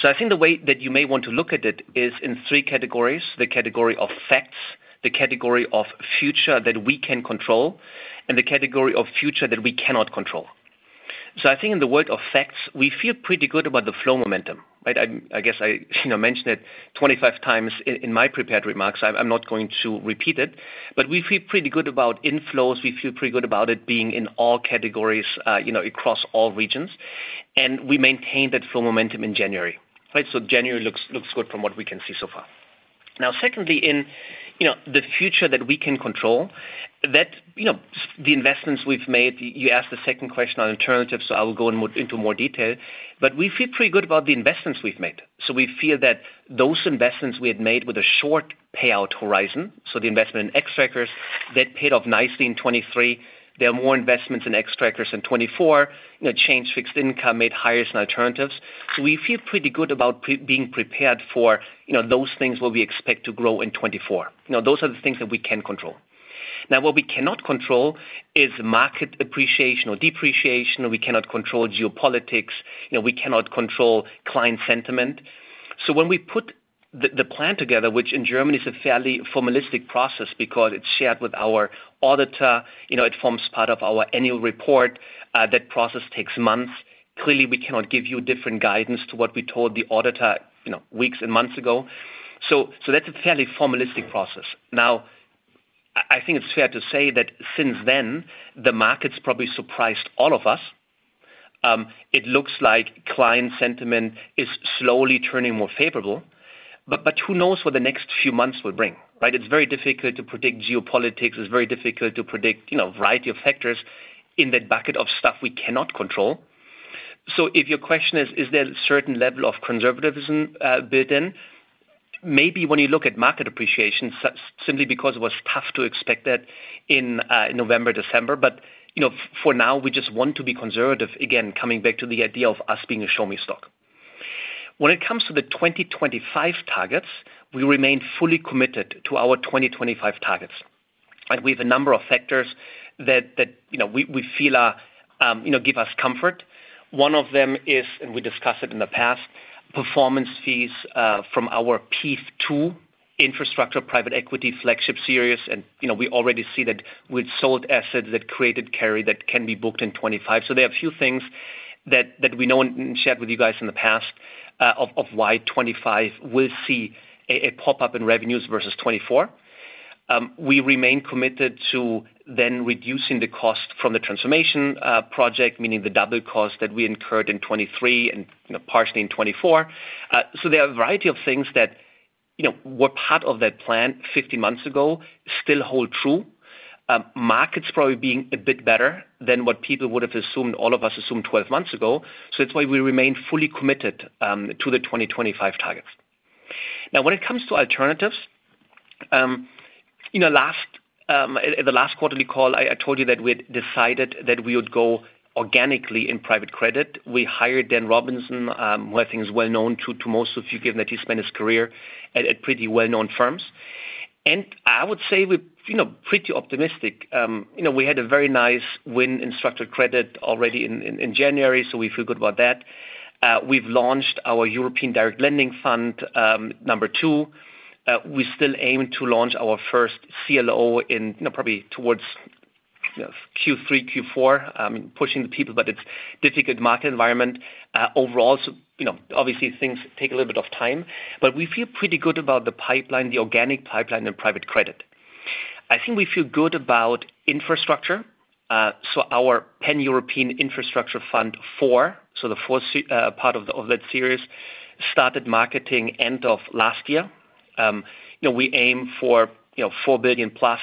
Speaker 3: So I think the way that you may want to look at it is in three categories: the category of facts, the category of future that we can control, and the category of future that we cannot control. So I think in the world of facts, we feel pretty good about the flow momentum, right? I guess I, you know, mentioned it 25 times in my prepared remarks. I'm not going to repeat it, but we feel pretty good about inflows. We feel pretty good about it being in all categories, you know, across all regions, and we maintained that flow momentum in January, right? So January looks good from what we can see so far. Now, secondly, you know, the future that we can control, the investments we've made, you asked the second question on alternatives, so I will go into more detail, but we feel pretty good about the investments we've made. So we feel that those investments we had made with a short payout horizon, so the investment in Xtrackers, that paid off nicely in 2023. There are more investments in Xtrackers in 2024. You know, change fixed income, made hires and alternatives. So we feel pretty good about pre-being prepared for, you know, those things where we expect to grow in 2024. You know, those are the things that we can control. Now, what we cannot control is market appreciation or depreciation, or we cannot control geopolitics, you know, we cannot control client sentiment. So when we put the, the plan together, which in Germany is a fairly formalistic process because it's shared with our auditor, you know, it forms part of our annual report, that process takes months. Clearly, we cannot give you different guidance to what we told the auditor, you know, weeks and months ago. So, so that's a fairly formalistic process. Now, I, I think it's fair to say that since then, the market's probably surprised all of us. It looks like client sentiment is slowly turning more favorable, but, but who knows what the next few months will bring, right? It's very difficult to predict geopolitics. It's very difficult to predict, you know, a variety of factors in that bucket of stuff we cannot control. So if your question is, is there a certain level of conservatism built in? Maybe when you look at market appreciation, simply because it was tough to expect that in November, December. But, you know, for now, we just want to be conservative. Again, coming back to the idea of us being a show me stock. When it comes to the 2025 targets, we remain fully committed to our 2025 targets, and we have a number of factors that, you know, we feel are, you know, give us comfort. One of them is, and we discussed it in the past, performance fees from our PEIF II infrastructure, private equity, flagship series, and, you know, we already see that we've sold assets that created carry that can be booked in 2025. So there are a few things that we know and shared with you guys in the past of why 2025 will see a pop-up in revenues versus 2024. We remain committed to then reducing the cost from the transformation project, meaning the double cost that we incurred in 2023 and, you know, partially in 2024. So there are a variety of things that, you know, were part of that plan 50 months ago, still hold true. Markets probably being a bit better than what people would have assumed, all of us assumed 12 months ago, so that's why we remain fully committed to the 2025 targets. Now, when it comes to alternatives, in the last quarterly call, I told you that we had decided that we would go organically in private credit. We hired Dan Robinson, who I think is well known to most of you, given that he spent his career at pretty well-known firms. And I would say we're, you know, pretty optimistic. You know, we had a very nice win in structured credit already in January, so we feel good about that. We've launched our European Direct Lending Fund II. We still aim to launch our first CLO in, you know, probably towards Q3, Q4. Pushing the people, but it's difficult market environment, overall, so you know, obviously things take a little bit of time, but we feel pretty good about the pipeline, the organic pipeline and private credit. I think we feel good about infrastructure. So our Pan-European Infrastructure Fund IV, so the four, part of that series, started marketing end of last year. You know, we aim for, you know, 4 billion plus,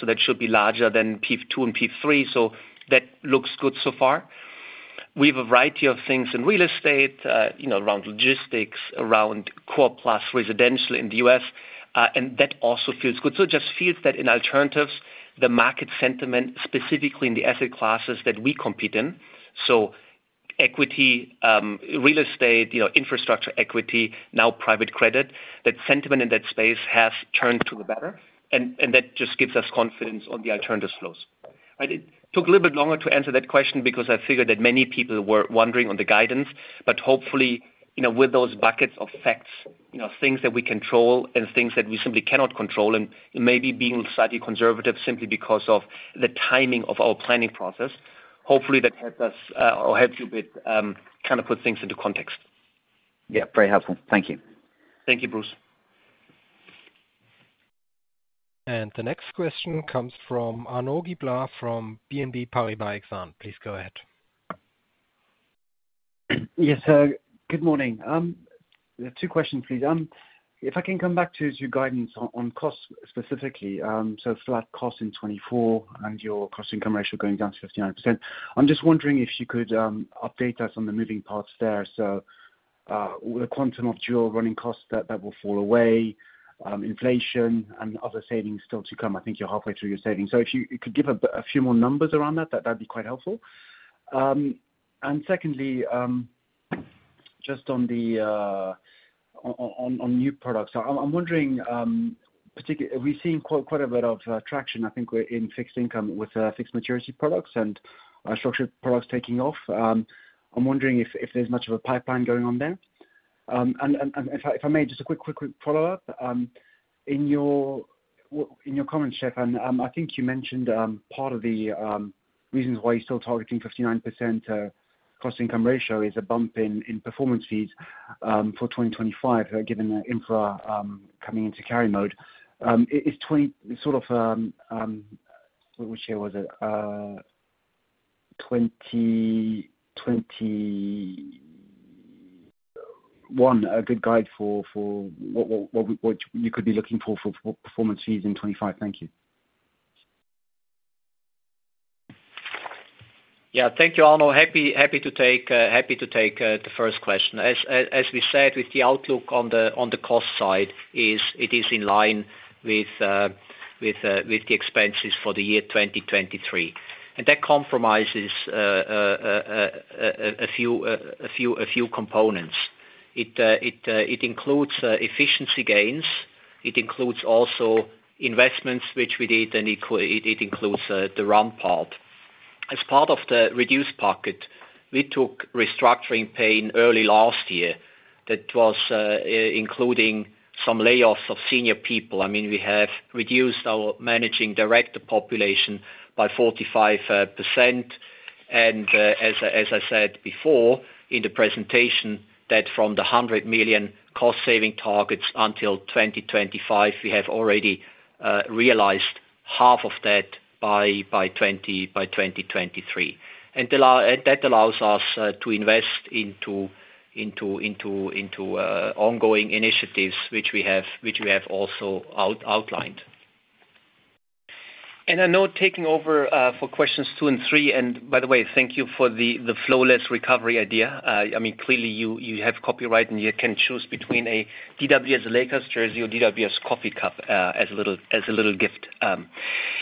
Speaker 3: so that should be larger than PEIF II and PEIF III, so that looks good so far. We have a variety of things in real estate, you know, around logistics, around core plus residential in the U.S., and that also feels good. So it just feels that in alternatives, the market sentiment, specifically in the asset classes that we compete in, so equity, real estate, you know, infrastructure, equity, now private credit, that sentiment in that space has turned to the better, and that just gives us confidence on the alternatives flows. It took a little bit longer to answer that question because I figured that many people were wondering on the guidance, but hopefully, you know, with those buckets of facts, you know, things that we control and things that we simply cannot control, and maybe being slightly conservative simply because of the timing of our planning process. Hopefully, that helps us, or helps you with, kind of put things into context.
Speaker 5: Yeah, very helpful. Thank you.
Speaker 4: Thank you, Bruce.
Speaker 1: The next question comes from Arnaud Giblat from BNP Paribas Exane. Please go ahead.
Speaker 6: Yes, good morning. There are two questions, please. If I can come back to your guidance on cost specifically. So flat cost in 2024 and your Cost Income Ratio going down to 59%. I'm just wondering if you could update us on the moving parts there. So the quantum of your running costs that will fall away, inflation and other savings still to come. I think you're halfway through your savings. So if you could give a few more numbers around that, that'd be quite helpful. And secondly, just on the new products. So I'm wondering, we've seen quite a bit of traction, I think, in fixed income with fixed maturity products and structured products taking off. I'm wondering if there's much of a pipeline going on there? And if I may, just a quick follow-up. In your comments, Stefan, I think you mentioned part of the reasons why you're still targeting 59% cost income ratio is a bump in performance fees for 2025, given the infra coming into carry mode. Is 20- sort of, which year was it? 2021 a good guide for what you could be looking for for performance fees in 2025? Thank you.
Speaker 4: Yeah. Thank you, Arnaud. Happy to take the first question. As we said, with the outlook on the cost side, it is in line with the expenses for the year 2023. That comprises a few components. It includes efficiency gains. It includes also investments which we did, and it includes the ramp part. As part of the reduced headcount, we took restructuring pain early last year. That was including some layoffs of senior people. I mean, we have reduced our managing director population by 45%. As I said before in the presentation, that from the 100 million cost saving targets until 2025, we have already realized half of that by 2023. And that allows us to invest into ongoing initiatives, which we have also outlined. Arnaud taking over for questions two and three, and by the way, thank you for the flawless recovery idea. I mean, clearly, you have copyright, and you can choose between a DWS Lakers jersey or DWS coffee cup as a little gift.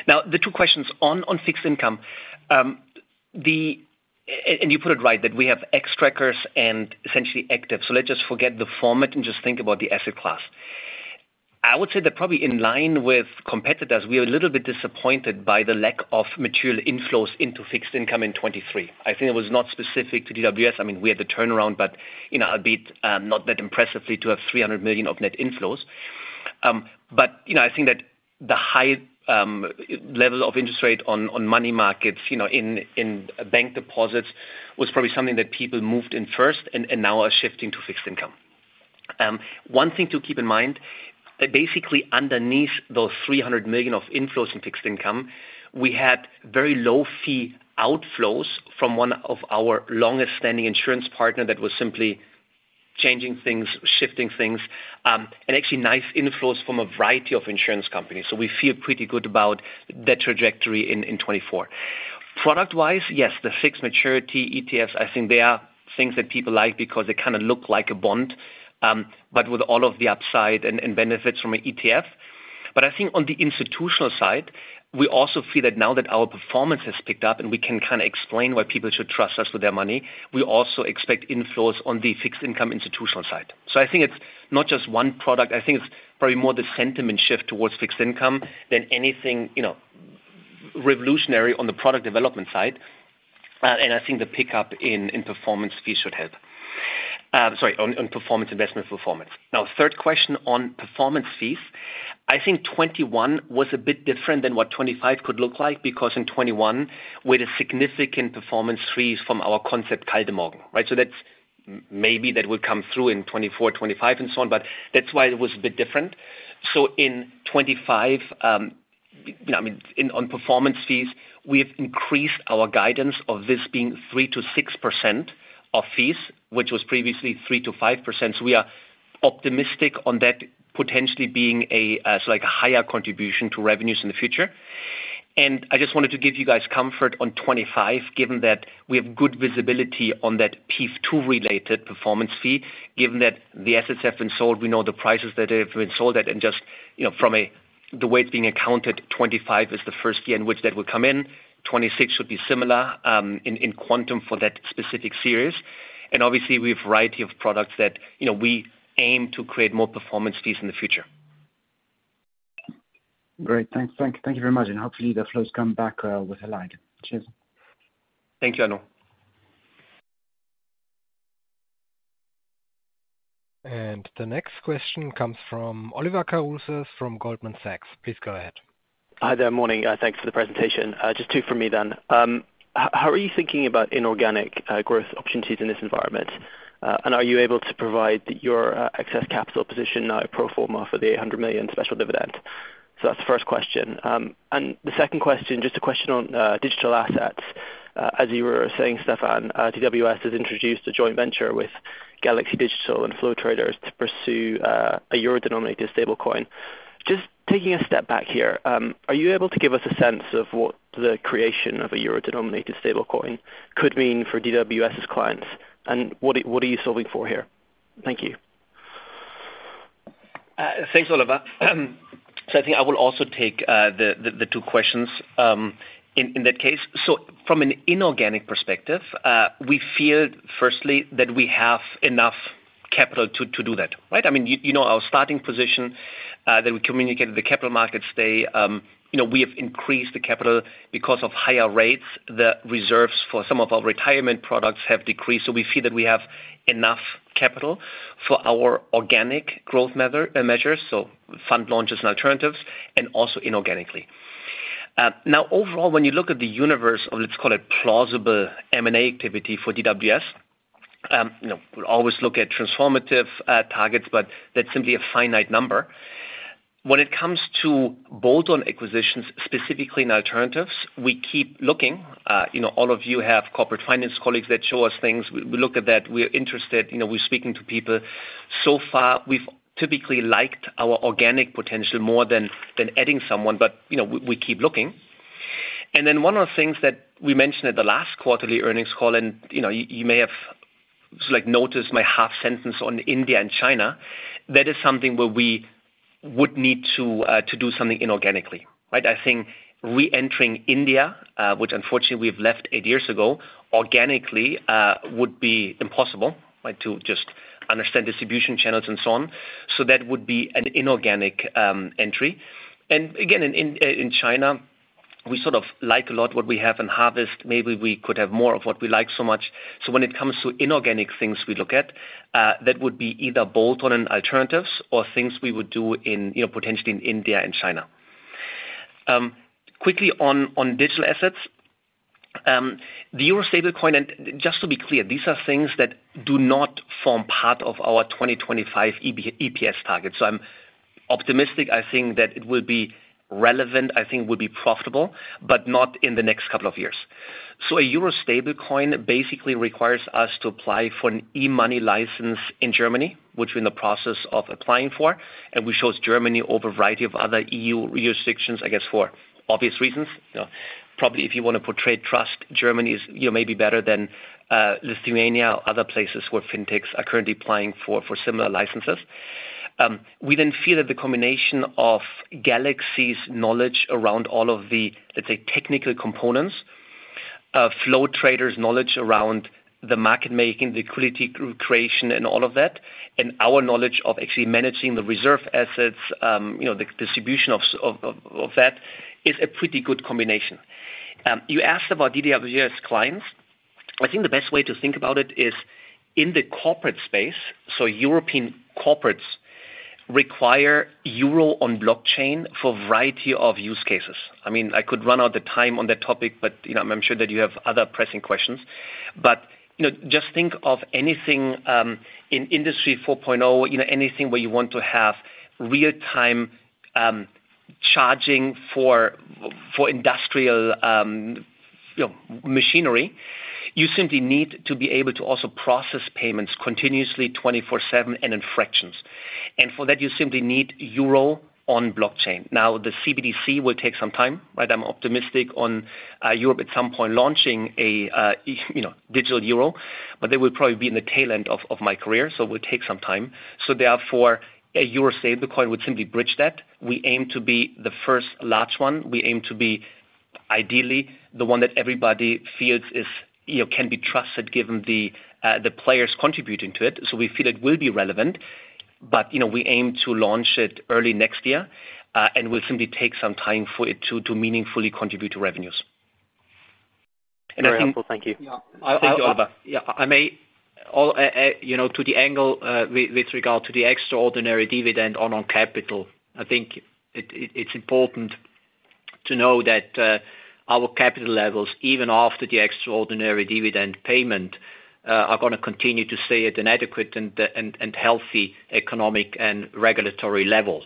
Speaker 4: Now, the two questions on fixed income. And you put it right, that we have Xtrackers and essentially active. So let's just forget the format and just think about the asset class. I would say that probably in line with competitors, we are a little bit disappointed by the lack of material inflows into fixed income in 2023. I think it was not specific to DWS. I mean, we had the turnaround, but it was a bit not that impressively to have 300 million of net inflows. But, you know, I think that the high level of interest rate on money markets, you know, in bank deposits, was probably something that people moved in first and now are shifting to fixed income. One thing to keep in mind, that basically underneath those 300 million of inflows in fixed income, we had very low fee outflows from one of our longest-standing insurance partner that was simply changing things, shifting things, and actually nice inflows from a variety of insurance companies. So we feel pretty good about the trajectory in 2024. Product-wise, yes, the fixed maturity ETFs, I think they are things that people like because they kind of look like a bond, but with all of the upside and benefits from an ETF. But I think on the institutional side, we also feel that now that our performance has picked up and we can kind of explain why people should trust us with their money, we also expect inflows on the fixed income institutional side. So I think it's not just one product, I think it's probably more the sentiment shift towards fixed income than anything, you know, revolutionary on the product development side. And I think the pickup in performance fees should help. Sorry, on performance, investment performance. Now, third question on performance fees. I think 2021 was a bit different than what 2025 could look like, because in 2021, we had a significant performance fees from our Concept Kaldemorgen, right? So that's maybe that will come through in 2024, 2025, and so on, but that's why it was a bit different. In 2025, I mean, in on performance fees, we've increased our guidance of this being 3%-6% of fees, which was previously 3%-5%. So we are optimistic on that, potentially being a so like a higher contribution to revenues in the future. And I just wanted to give you guys comfort on 2025, given that we have good visibility on that PEIF 2-related performance fee. Given that the assets have been sold, we know the prices that they have been sold at, and just, you know, from a the way it's being accounted, 2025 is the first year in which that will come in. 2026 should be similar, in quantum for that specific series. And obviously, we have a variety of products that, you know, we aim to create more performance fees in the future....
Speaker 6: Great, thanks. Thank, thank you very much, and hopefully the flows come back with a light. Cheers.
Speaker 3: Thanks, Arnaud.
Speaker 1: The next question comes from Oliver Carruthers from Goldman Sachs. Please go ahead.
Speaker 7: Hi there, morning. Thanks for the presentation. Just two from me then. How are you thinking about inorganic growth opportunities in this environment? And are you able to provide your excess capital position now pro forma for the 800 million special dividend? So that's the first question. And the second question, just a question on digital assets. As you were saying, Stefan, DWS has introduced a joint venture with Galaxy Digital and Flow Traders to pursue a euro-denominated stablecoin. Just taking a step back here, are you able to give us a sense of what the creation of a euro-denominated stablecoin could mean for DWS's clients, and what are you solving for here? Thank you.
Speaker 3: Thanks, Oliver. So I think I will also take the two questions in that case. So from an inorganic perspective, we feel firstly that we have enough capital to do that, right? I mean, you know, our starting position that we communicated to the capital markets today, you know, we have increased the capital because of higher rates. The reserves for some of our retirement products have decreased, so we feel that we have enough capital for our organic growth measures, so fund launches and alternatives, and also inorganically. Now, overall, when you look at the universe of, let's call it plausible M&A activity for DWS, you know, we always look at transformative targets, but that's simply a finite number. When it comes to bolt-on acquisitions, specifically in alternatives, we keep looking. You know, all of you have corporate finance colleagues that show us things. We look at that, we're interested, you know, we're speaking to people. So far, we've typically liked our organic potential more than adding someone, but, you know, we keep looking. And then one of the things that we mentioned at the last quarterly earnings call, and, you know, you may have, like, noticed my half sentence on India and China, that is something where we would need to do something inorganically, right? I think reentering India, which unfortunately we've left eight years ago, organically, would be impossible, right? To just understand distribution channels and so on. So that would be an inorganic entry. And again, in China, we sort of like a lot what we have in Harvest. Maybe we could have more of what we like so much. So when it comes to inorganic things we look at, that would be either bolt-on and alternatives or things we would do in, you know, potentially in India and China. Quickly on digital assets. The euro stablecoin... And just to be clear, these are things that do not form part of our 2025 EBITDA-EPS target. So I'm optimistic, I think that it will be relevant, I think will be profitable, but not in the next couple of years. So a euro stablecoin basically requires us to apply for an e-money license in Germany, which we're in the process of applying for, and we chose Germany over a variety of other EU jurisdictions, I guess, for obvious reasons. You know, probably if you wanna portray trust, Germany is, you know, maybe better than Lithuania or other places where fintechs are currently applying for similar licenses. We then feel that the combination of Galaxy's knowledge around all of the, let's say, technical components, of Flow Traders' knowledge around the market making, liquidity creation and all of that, and our knowledge of actually managing the reserve assets, you know, the distribution of that, is a pretty good combination. You asked about DWS clients. I think the best way to think about it is in the corporate space, so European corporates require euro on blockchain for a variety of use cases. I mean, I could run out of time on that topic, but, you know, I'm sure that you have other pressing questions. But, you know, just think of anything in Industry 4.0, you know, anything where you want to have real-time charging for industrial, you know, machinery, you simply need to be able to also process payments continuously, 24/7, and in fractions. And for that, you simply need euro on blockchain. Now, the CBDC will take some time, but I'm optimistic on Europe at some point launching a you know, digital euro, but they will probably be in the tail end of my career, so it will take some time. So therefore, a euro stablecoin would simply bridge that. We aim to be the first large one. We aim to be, ideally, the one that everybody feels is, you know, can be trusted given the players contributing to it, so we feel it will be relevant. You know, we aim to launch it early next year and will simply take some time for it to meaningfully contribute to revenues.
Speaker 7: Very helpful. Thank you.
Speaker 3: Yeah.
Speaker 1: Thank you, Oliver.
Speaker 3: Yeah, all you know, to the angle with regard to the extraordinary dividend on our capital, I think it, it's important to know that our capital levels, even after the extraordinary dividend payment, are gonna continue to stay at an adequate and healthy economic and regulatory level.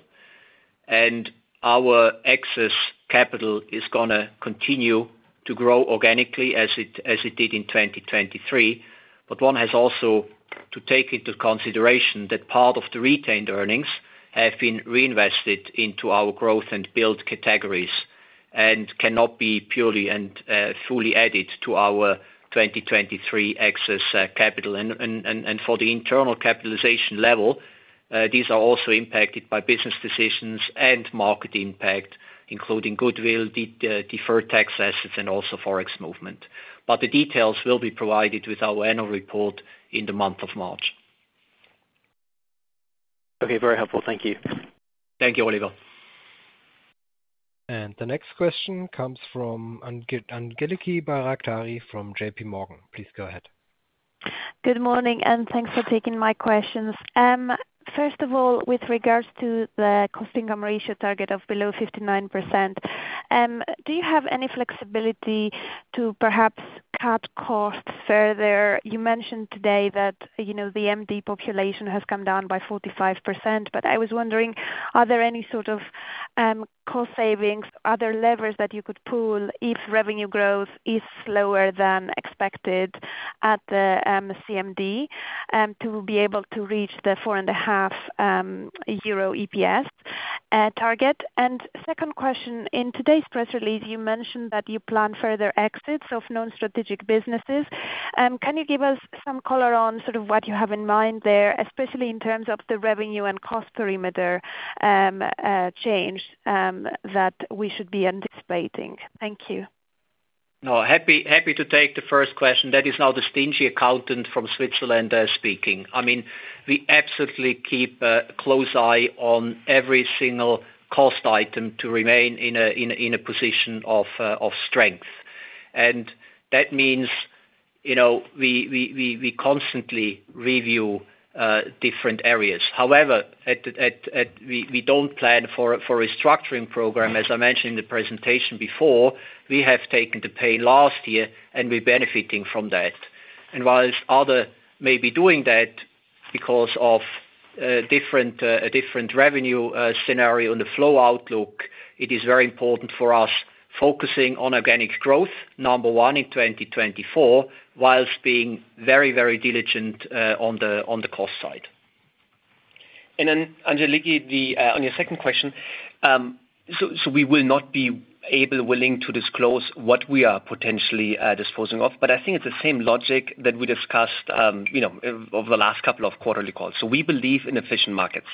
Speaker 3: And our excess capital is gonna continue to grow organically as it did in 2023. But one has also to take into consideration that part of the retained earnings have been reinvested into our growth and build categories, and cannot be purely and fully added to our 2023 excess capital. And for the internal capitalization level, these are also impacted by business decisions and market impact, including goodwill, deferred tax assets, and also Forex movement. But the details will be provided with our annual report in the month of March....
Speaker 2: Okay, very helpful. Thank you.
Speaker 3: Thank you, Oliver.
Speaker 1: The next question comes from Angeliki Bairaktari from JP Morgan. Please go ahead.
Speaker 8: Good morning, and thanks for taking my questions. First of all, with regards to the cost-income ratio target of below 59%, do you have any flexibility to perhaps cut costs further? You mentioned today that, you know, the MD population has come down by 45%, but I was wondering, are there any sort of cost savings, other levers that you could pull if revenue growth is slower than expected at the CMD, to be able to reach the 4.5 euro EPS target? And second question, in today's press release, you mentioned that you plan further exits of non-strategic businesses. Can you give us some color on sort of what you have in mind there, especially in terms of the revenue and cost perimeter change that we should be anticipating? Thank you.
Speaker 3: No, happy to take the first question. That is now the stingy accountant from Switzerland speaking. I mean, we absolutely keep a close eye on every single cost item to remain in a position of strength. And that means, you know, we constantly review different areas. However, we don't plan for a restructuring program. As I mentioned in the presentation before, we have taken the pain last year, and we're benefiting from that. And while others may be doing that because of a different revenue scenario on the flow outlook, it is very important for us focusing on organic growth, number one, in 2024, while being very, very diligent on the cost side. And then Angeliki, on your second question, so we will not be able and willing to disclose what we are potentially disposing of, but I think it's the same logic that we discussed, you know, over the last couple of quarterly calls. So we believe in efficient markets,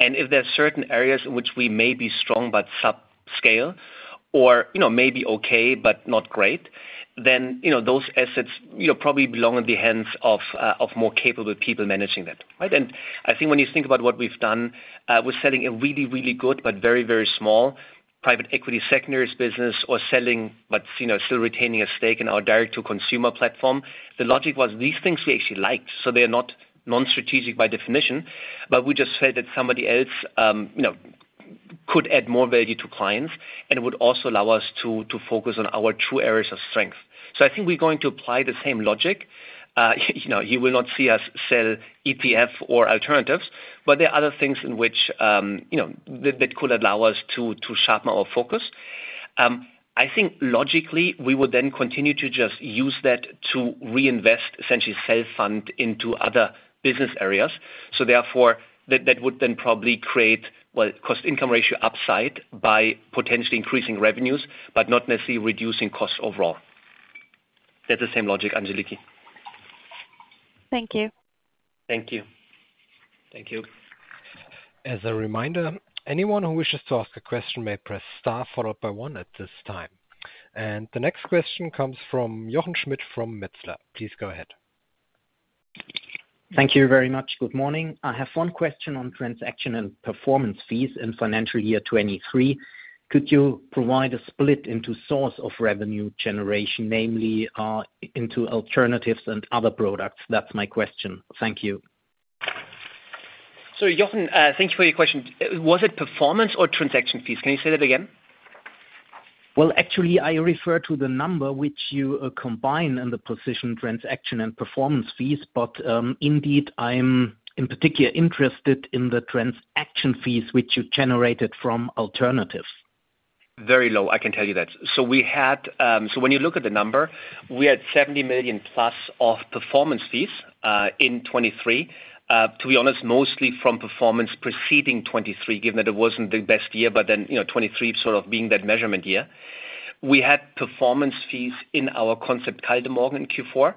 Speaker 3: and if there are certain areas in which we may be strong but subscale or, you know, may be okay but not great, then, you know, those assets, you know, probably belong in the hands of more capable people managing that, right? And I think when you think about what we've done, we're selling a really, really good but very, very small private equity secondaries business or selling but, you know, still retaining a stake in our direct-to-consumer platform. The logic was, these things we actually liked, so they are not non-strategic by definition, but we just felt that somebody else, you know, could add more value to clients, and it would also allow us to focus on our true areas of strength. So I think we're going to apply the same logic. You know, you will not see us sell PEiF or alternatives, but there are other things in which, you know, that could allow us to sharpen our focus. I think logically, we would then continue to just use that to reinvest, essentially self-fund into other business areas. So therefore, that would then probably create, well, cost-income ratio upside by potentially increasing revenues, but not necessarily reducing costs overall. That's the same logic, Angeliki.
Speaker 8: Thank you.
Speaker 3: Thank you.
Speaker 9: Thank you.
Speaker 1: As a reminder, anyone who wishes to ask a question may press star followed by one at this time. The next question comes from Jochen Schmitt from Metzler. Please go ahead.
Speaker 10: Thank you very much. Good morning. I have one question on transaction and performance fees in financial year 2023. Could you provide a split into source of revenue generation, namely, into alternatives and other products? That's my question. Thank you.
Speaker 3: Jochen, thank you for your question. Was it performance or transaction fees? Can you say that again?
Speaker 10: Well, actually, I refer to the number which you combine in the position, transaction and performance fees. But, indeed, I'm in particular interested in the transaction fees which you generated from alternatives.
Speaker 3: Very low, I can tell you that. So when you look at the number, we had 70 million plus of performance fees in 2023, to be honest, mostly from performance preceding 2023, given that it wasn't the best year, but then, you know, 2023 sort of being that measurement year. We had performance fees in our Concept Kaldemorgen in Q4.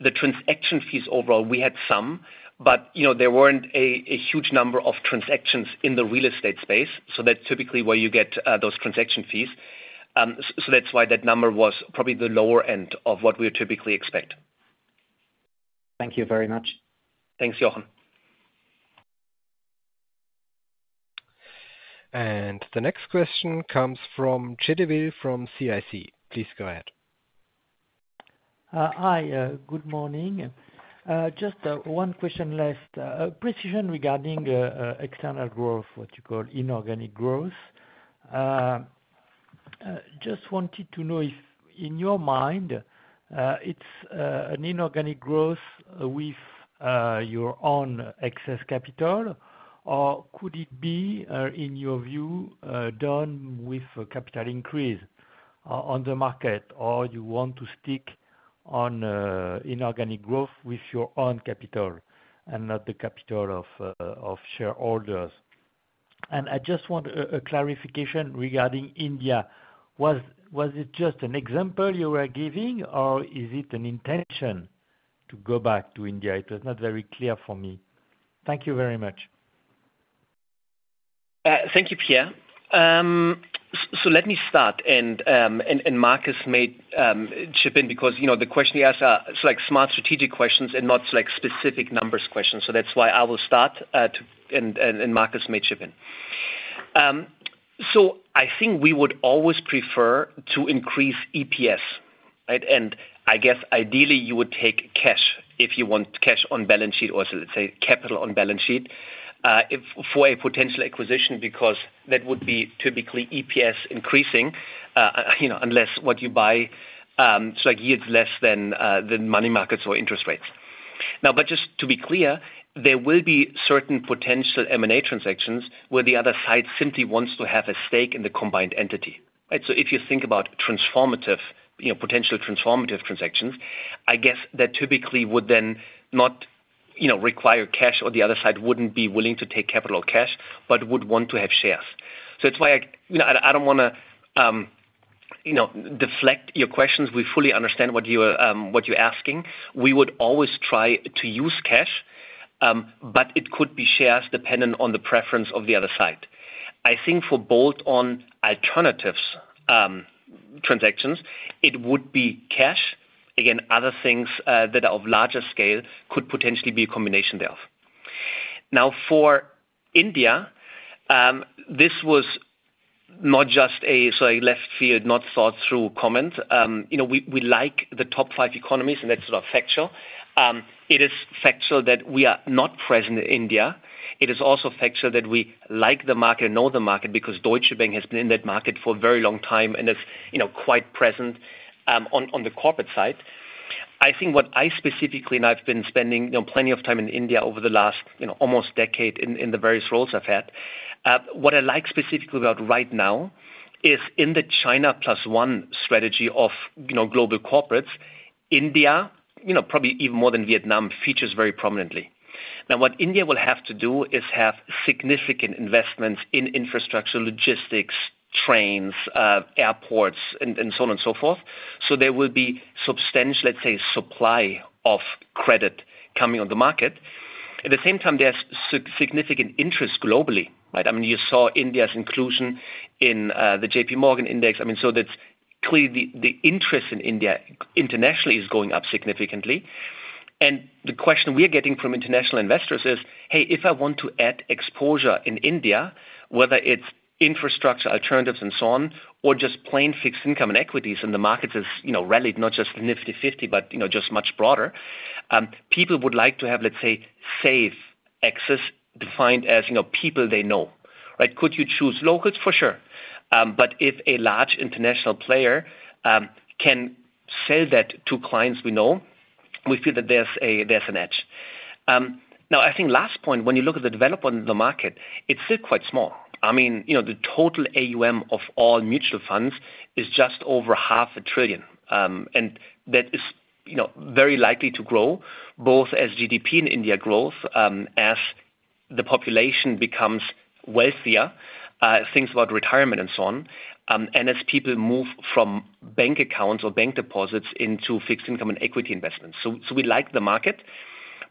Speaker 3: The transaction fees overall, we had some, but you know, there weren't a huge number of transactions in the real estate space, so that's typically where you get those transaction fees. So that's why that number was probably the lower end of what we would typically expect.
Speaker 10: Thank you very much.
Speaker 3: Thanks, Jochen.
Speaker 1: The next question comes from Pierre Chedeville from CIC. Please go ahead.
Speaker 9: Hi, good morning. Just one last question precision regarding external growth, what you call inorganic growth. Just wanted to know if in your mind, it's an inorganic growth with your own excess capital, or could it be, in your view, done with a capital increase on the market, or you want to stick on inorganic growth with your own capital and not the capital of shareholders? And I just want a clarification regarding India. Was it just an example you were giving, or is it an intention to go back to India? It was not very clear for me. Thank you very much....
Speaker 3: thank you, Pierre. So let me start, and Markus may chip in because, you know, the question you ask, it's like smart strategic questions and not, like, specific numbers questions. So that's why I will start, Markus may chip in. So I think we would always prefer to increase EPS, right? And I guess ideally you would take cash if you want cash on balance sheet, or so let's say, capital on balance sheet, if for a potential acquisition, because that would be typically EPS increasing, you know, unless what you buy, so like yields less than, than money markets or interest rates. Now, but just to be clear, there will be certain potential M&A transactions where the other side simply wants to have a stake in the combined entity, right? So if you think about transformative, you know, potential transformative transactions, I guess that typically would then not, you know, require cash, or the other side wouldn't be willing to take capital or cash, but would want to have shares. So it's why, you know, I, I don't wanna, you know, deflect your questions. We fully understand what you are, what you're asking. We would always try to use cash, but it could be shares dependent on the preference of the other side. I think for both on alternatives, transactions, it would be cash. Again, other things, that are of larger scale could potentially be a combination thereof. Now, for India, this was not just a, so a left field, not thought through comment. You know, we, we like the top five economies, and that's sort of factual. It is factual that we are not present in India. It is also factual that we like the market and know the market, because Deutsche Bank has been in that market for a very long time and is, you know, quite present on the corporate side. I think what I specifically, and I've been spending, you know, plenty of time in India over the last, you know, almost decade in the various roles I've had. What I like specifically about right now is in the China plus one strategy of, you know, global corporates, India, you know, probably even more than Vietnam, features very prominently. Now, what India will have to do is have significant investments in infrastructure, logistics, trains, airports, and so on and so forth. So there will be substantial, let's say, supply of credit coming on the market. At the same time, there's significant interest globally, right? I mean, you saw India's inclusion in the JP Morgan Index. I mean, so that's clearly the interest in India internationally is going up significantly. And the question we are getting from international investors is, "Hey, if I want to add exposure in India, whether it's infrastructure, alternatives and so on, or just plain fixed income and equities," and the markets has, you know, rallied, not just Nifty 50, but you know, just much broader, people would like to have, let's say, safe access, defined as, you know, people they know, right? Could you choose locals? For sure. But if a large international player can sell that to clients we know, we feel that there's an edge. Now, I think last point, when you look at the development of the market, it's still quite small. I mean, you know, the total AUM of all mutual funds is just over $0.5 trillion. And that is, you know, very likely to grow both as GDP and India growth, as the population becomes wealthier, thinks about retirement and so on, and as people move from bank accounts or bank deposits into fixed income and equity investments. So, so we like the market,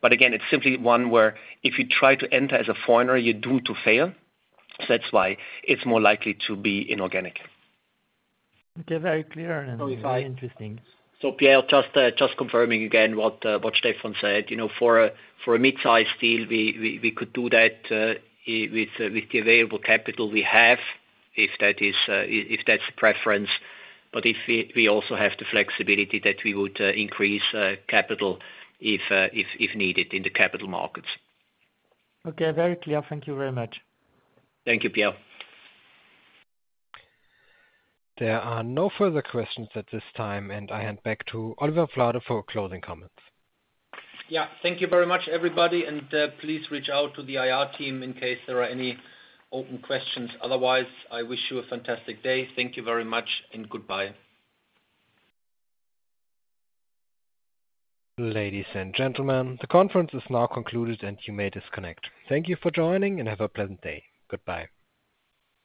Speaker 3: but again, it's simply one where if you try to enter as a foreigner, you're doomed to fail. So that's why it's more likely to be inorganic.
Speaker 9: Okay, very clear and very interesting.
Speaker 4: So Pierre, just confirming again what Stefan said, you know, for a mid-size deal, we could do that with the available capital we have, if that's the preference. But if we also have the flexibility that we would increase capital, if needed in the capital markets.
Speaker 9: Okay, very clear. Thank you very much.
Speaker 4: Thank you, Pierre.
Speaker 3: There are no further questions at this time, and I hand back to Oliver Flade for closing comments.
Speaker 2: Yeah, thank you very much, everybody, and please reach out to the IR team in case there are any open questions. Otherwise, I wish you a fantastic day. Thank you very much, and goodbye.
Speaker 1: Ladies and gentlemen, the conference is now concluded, and you may disconnect. Thank you for joining, and have a pleasant day. Goodbye.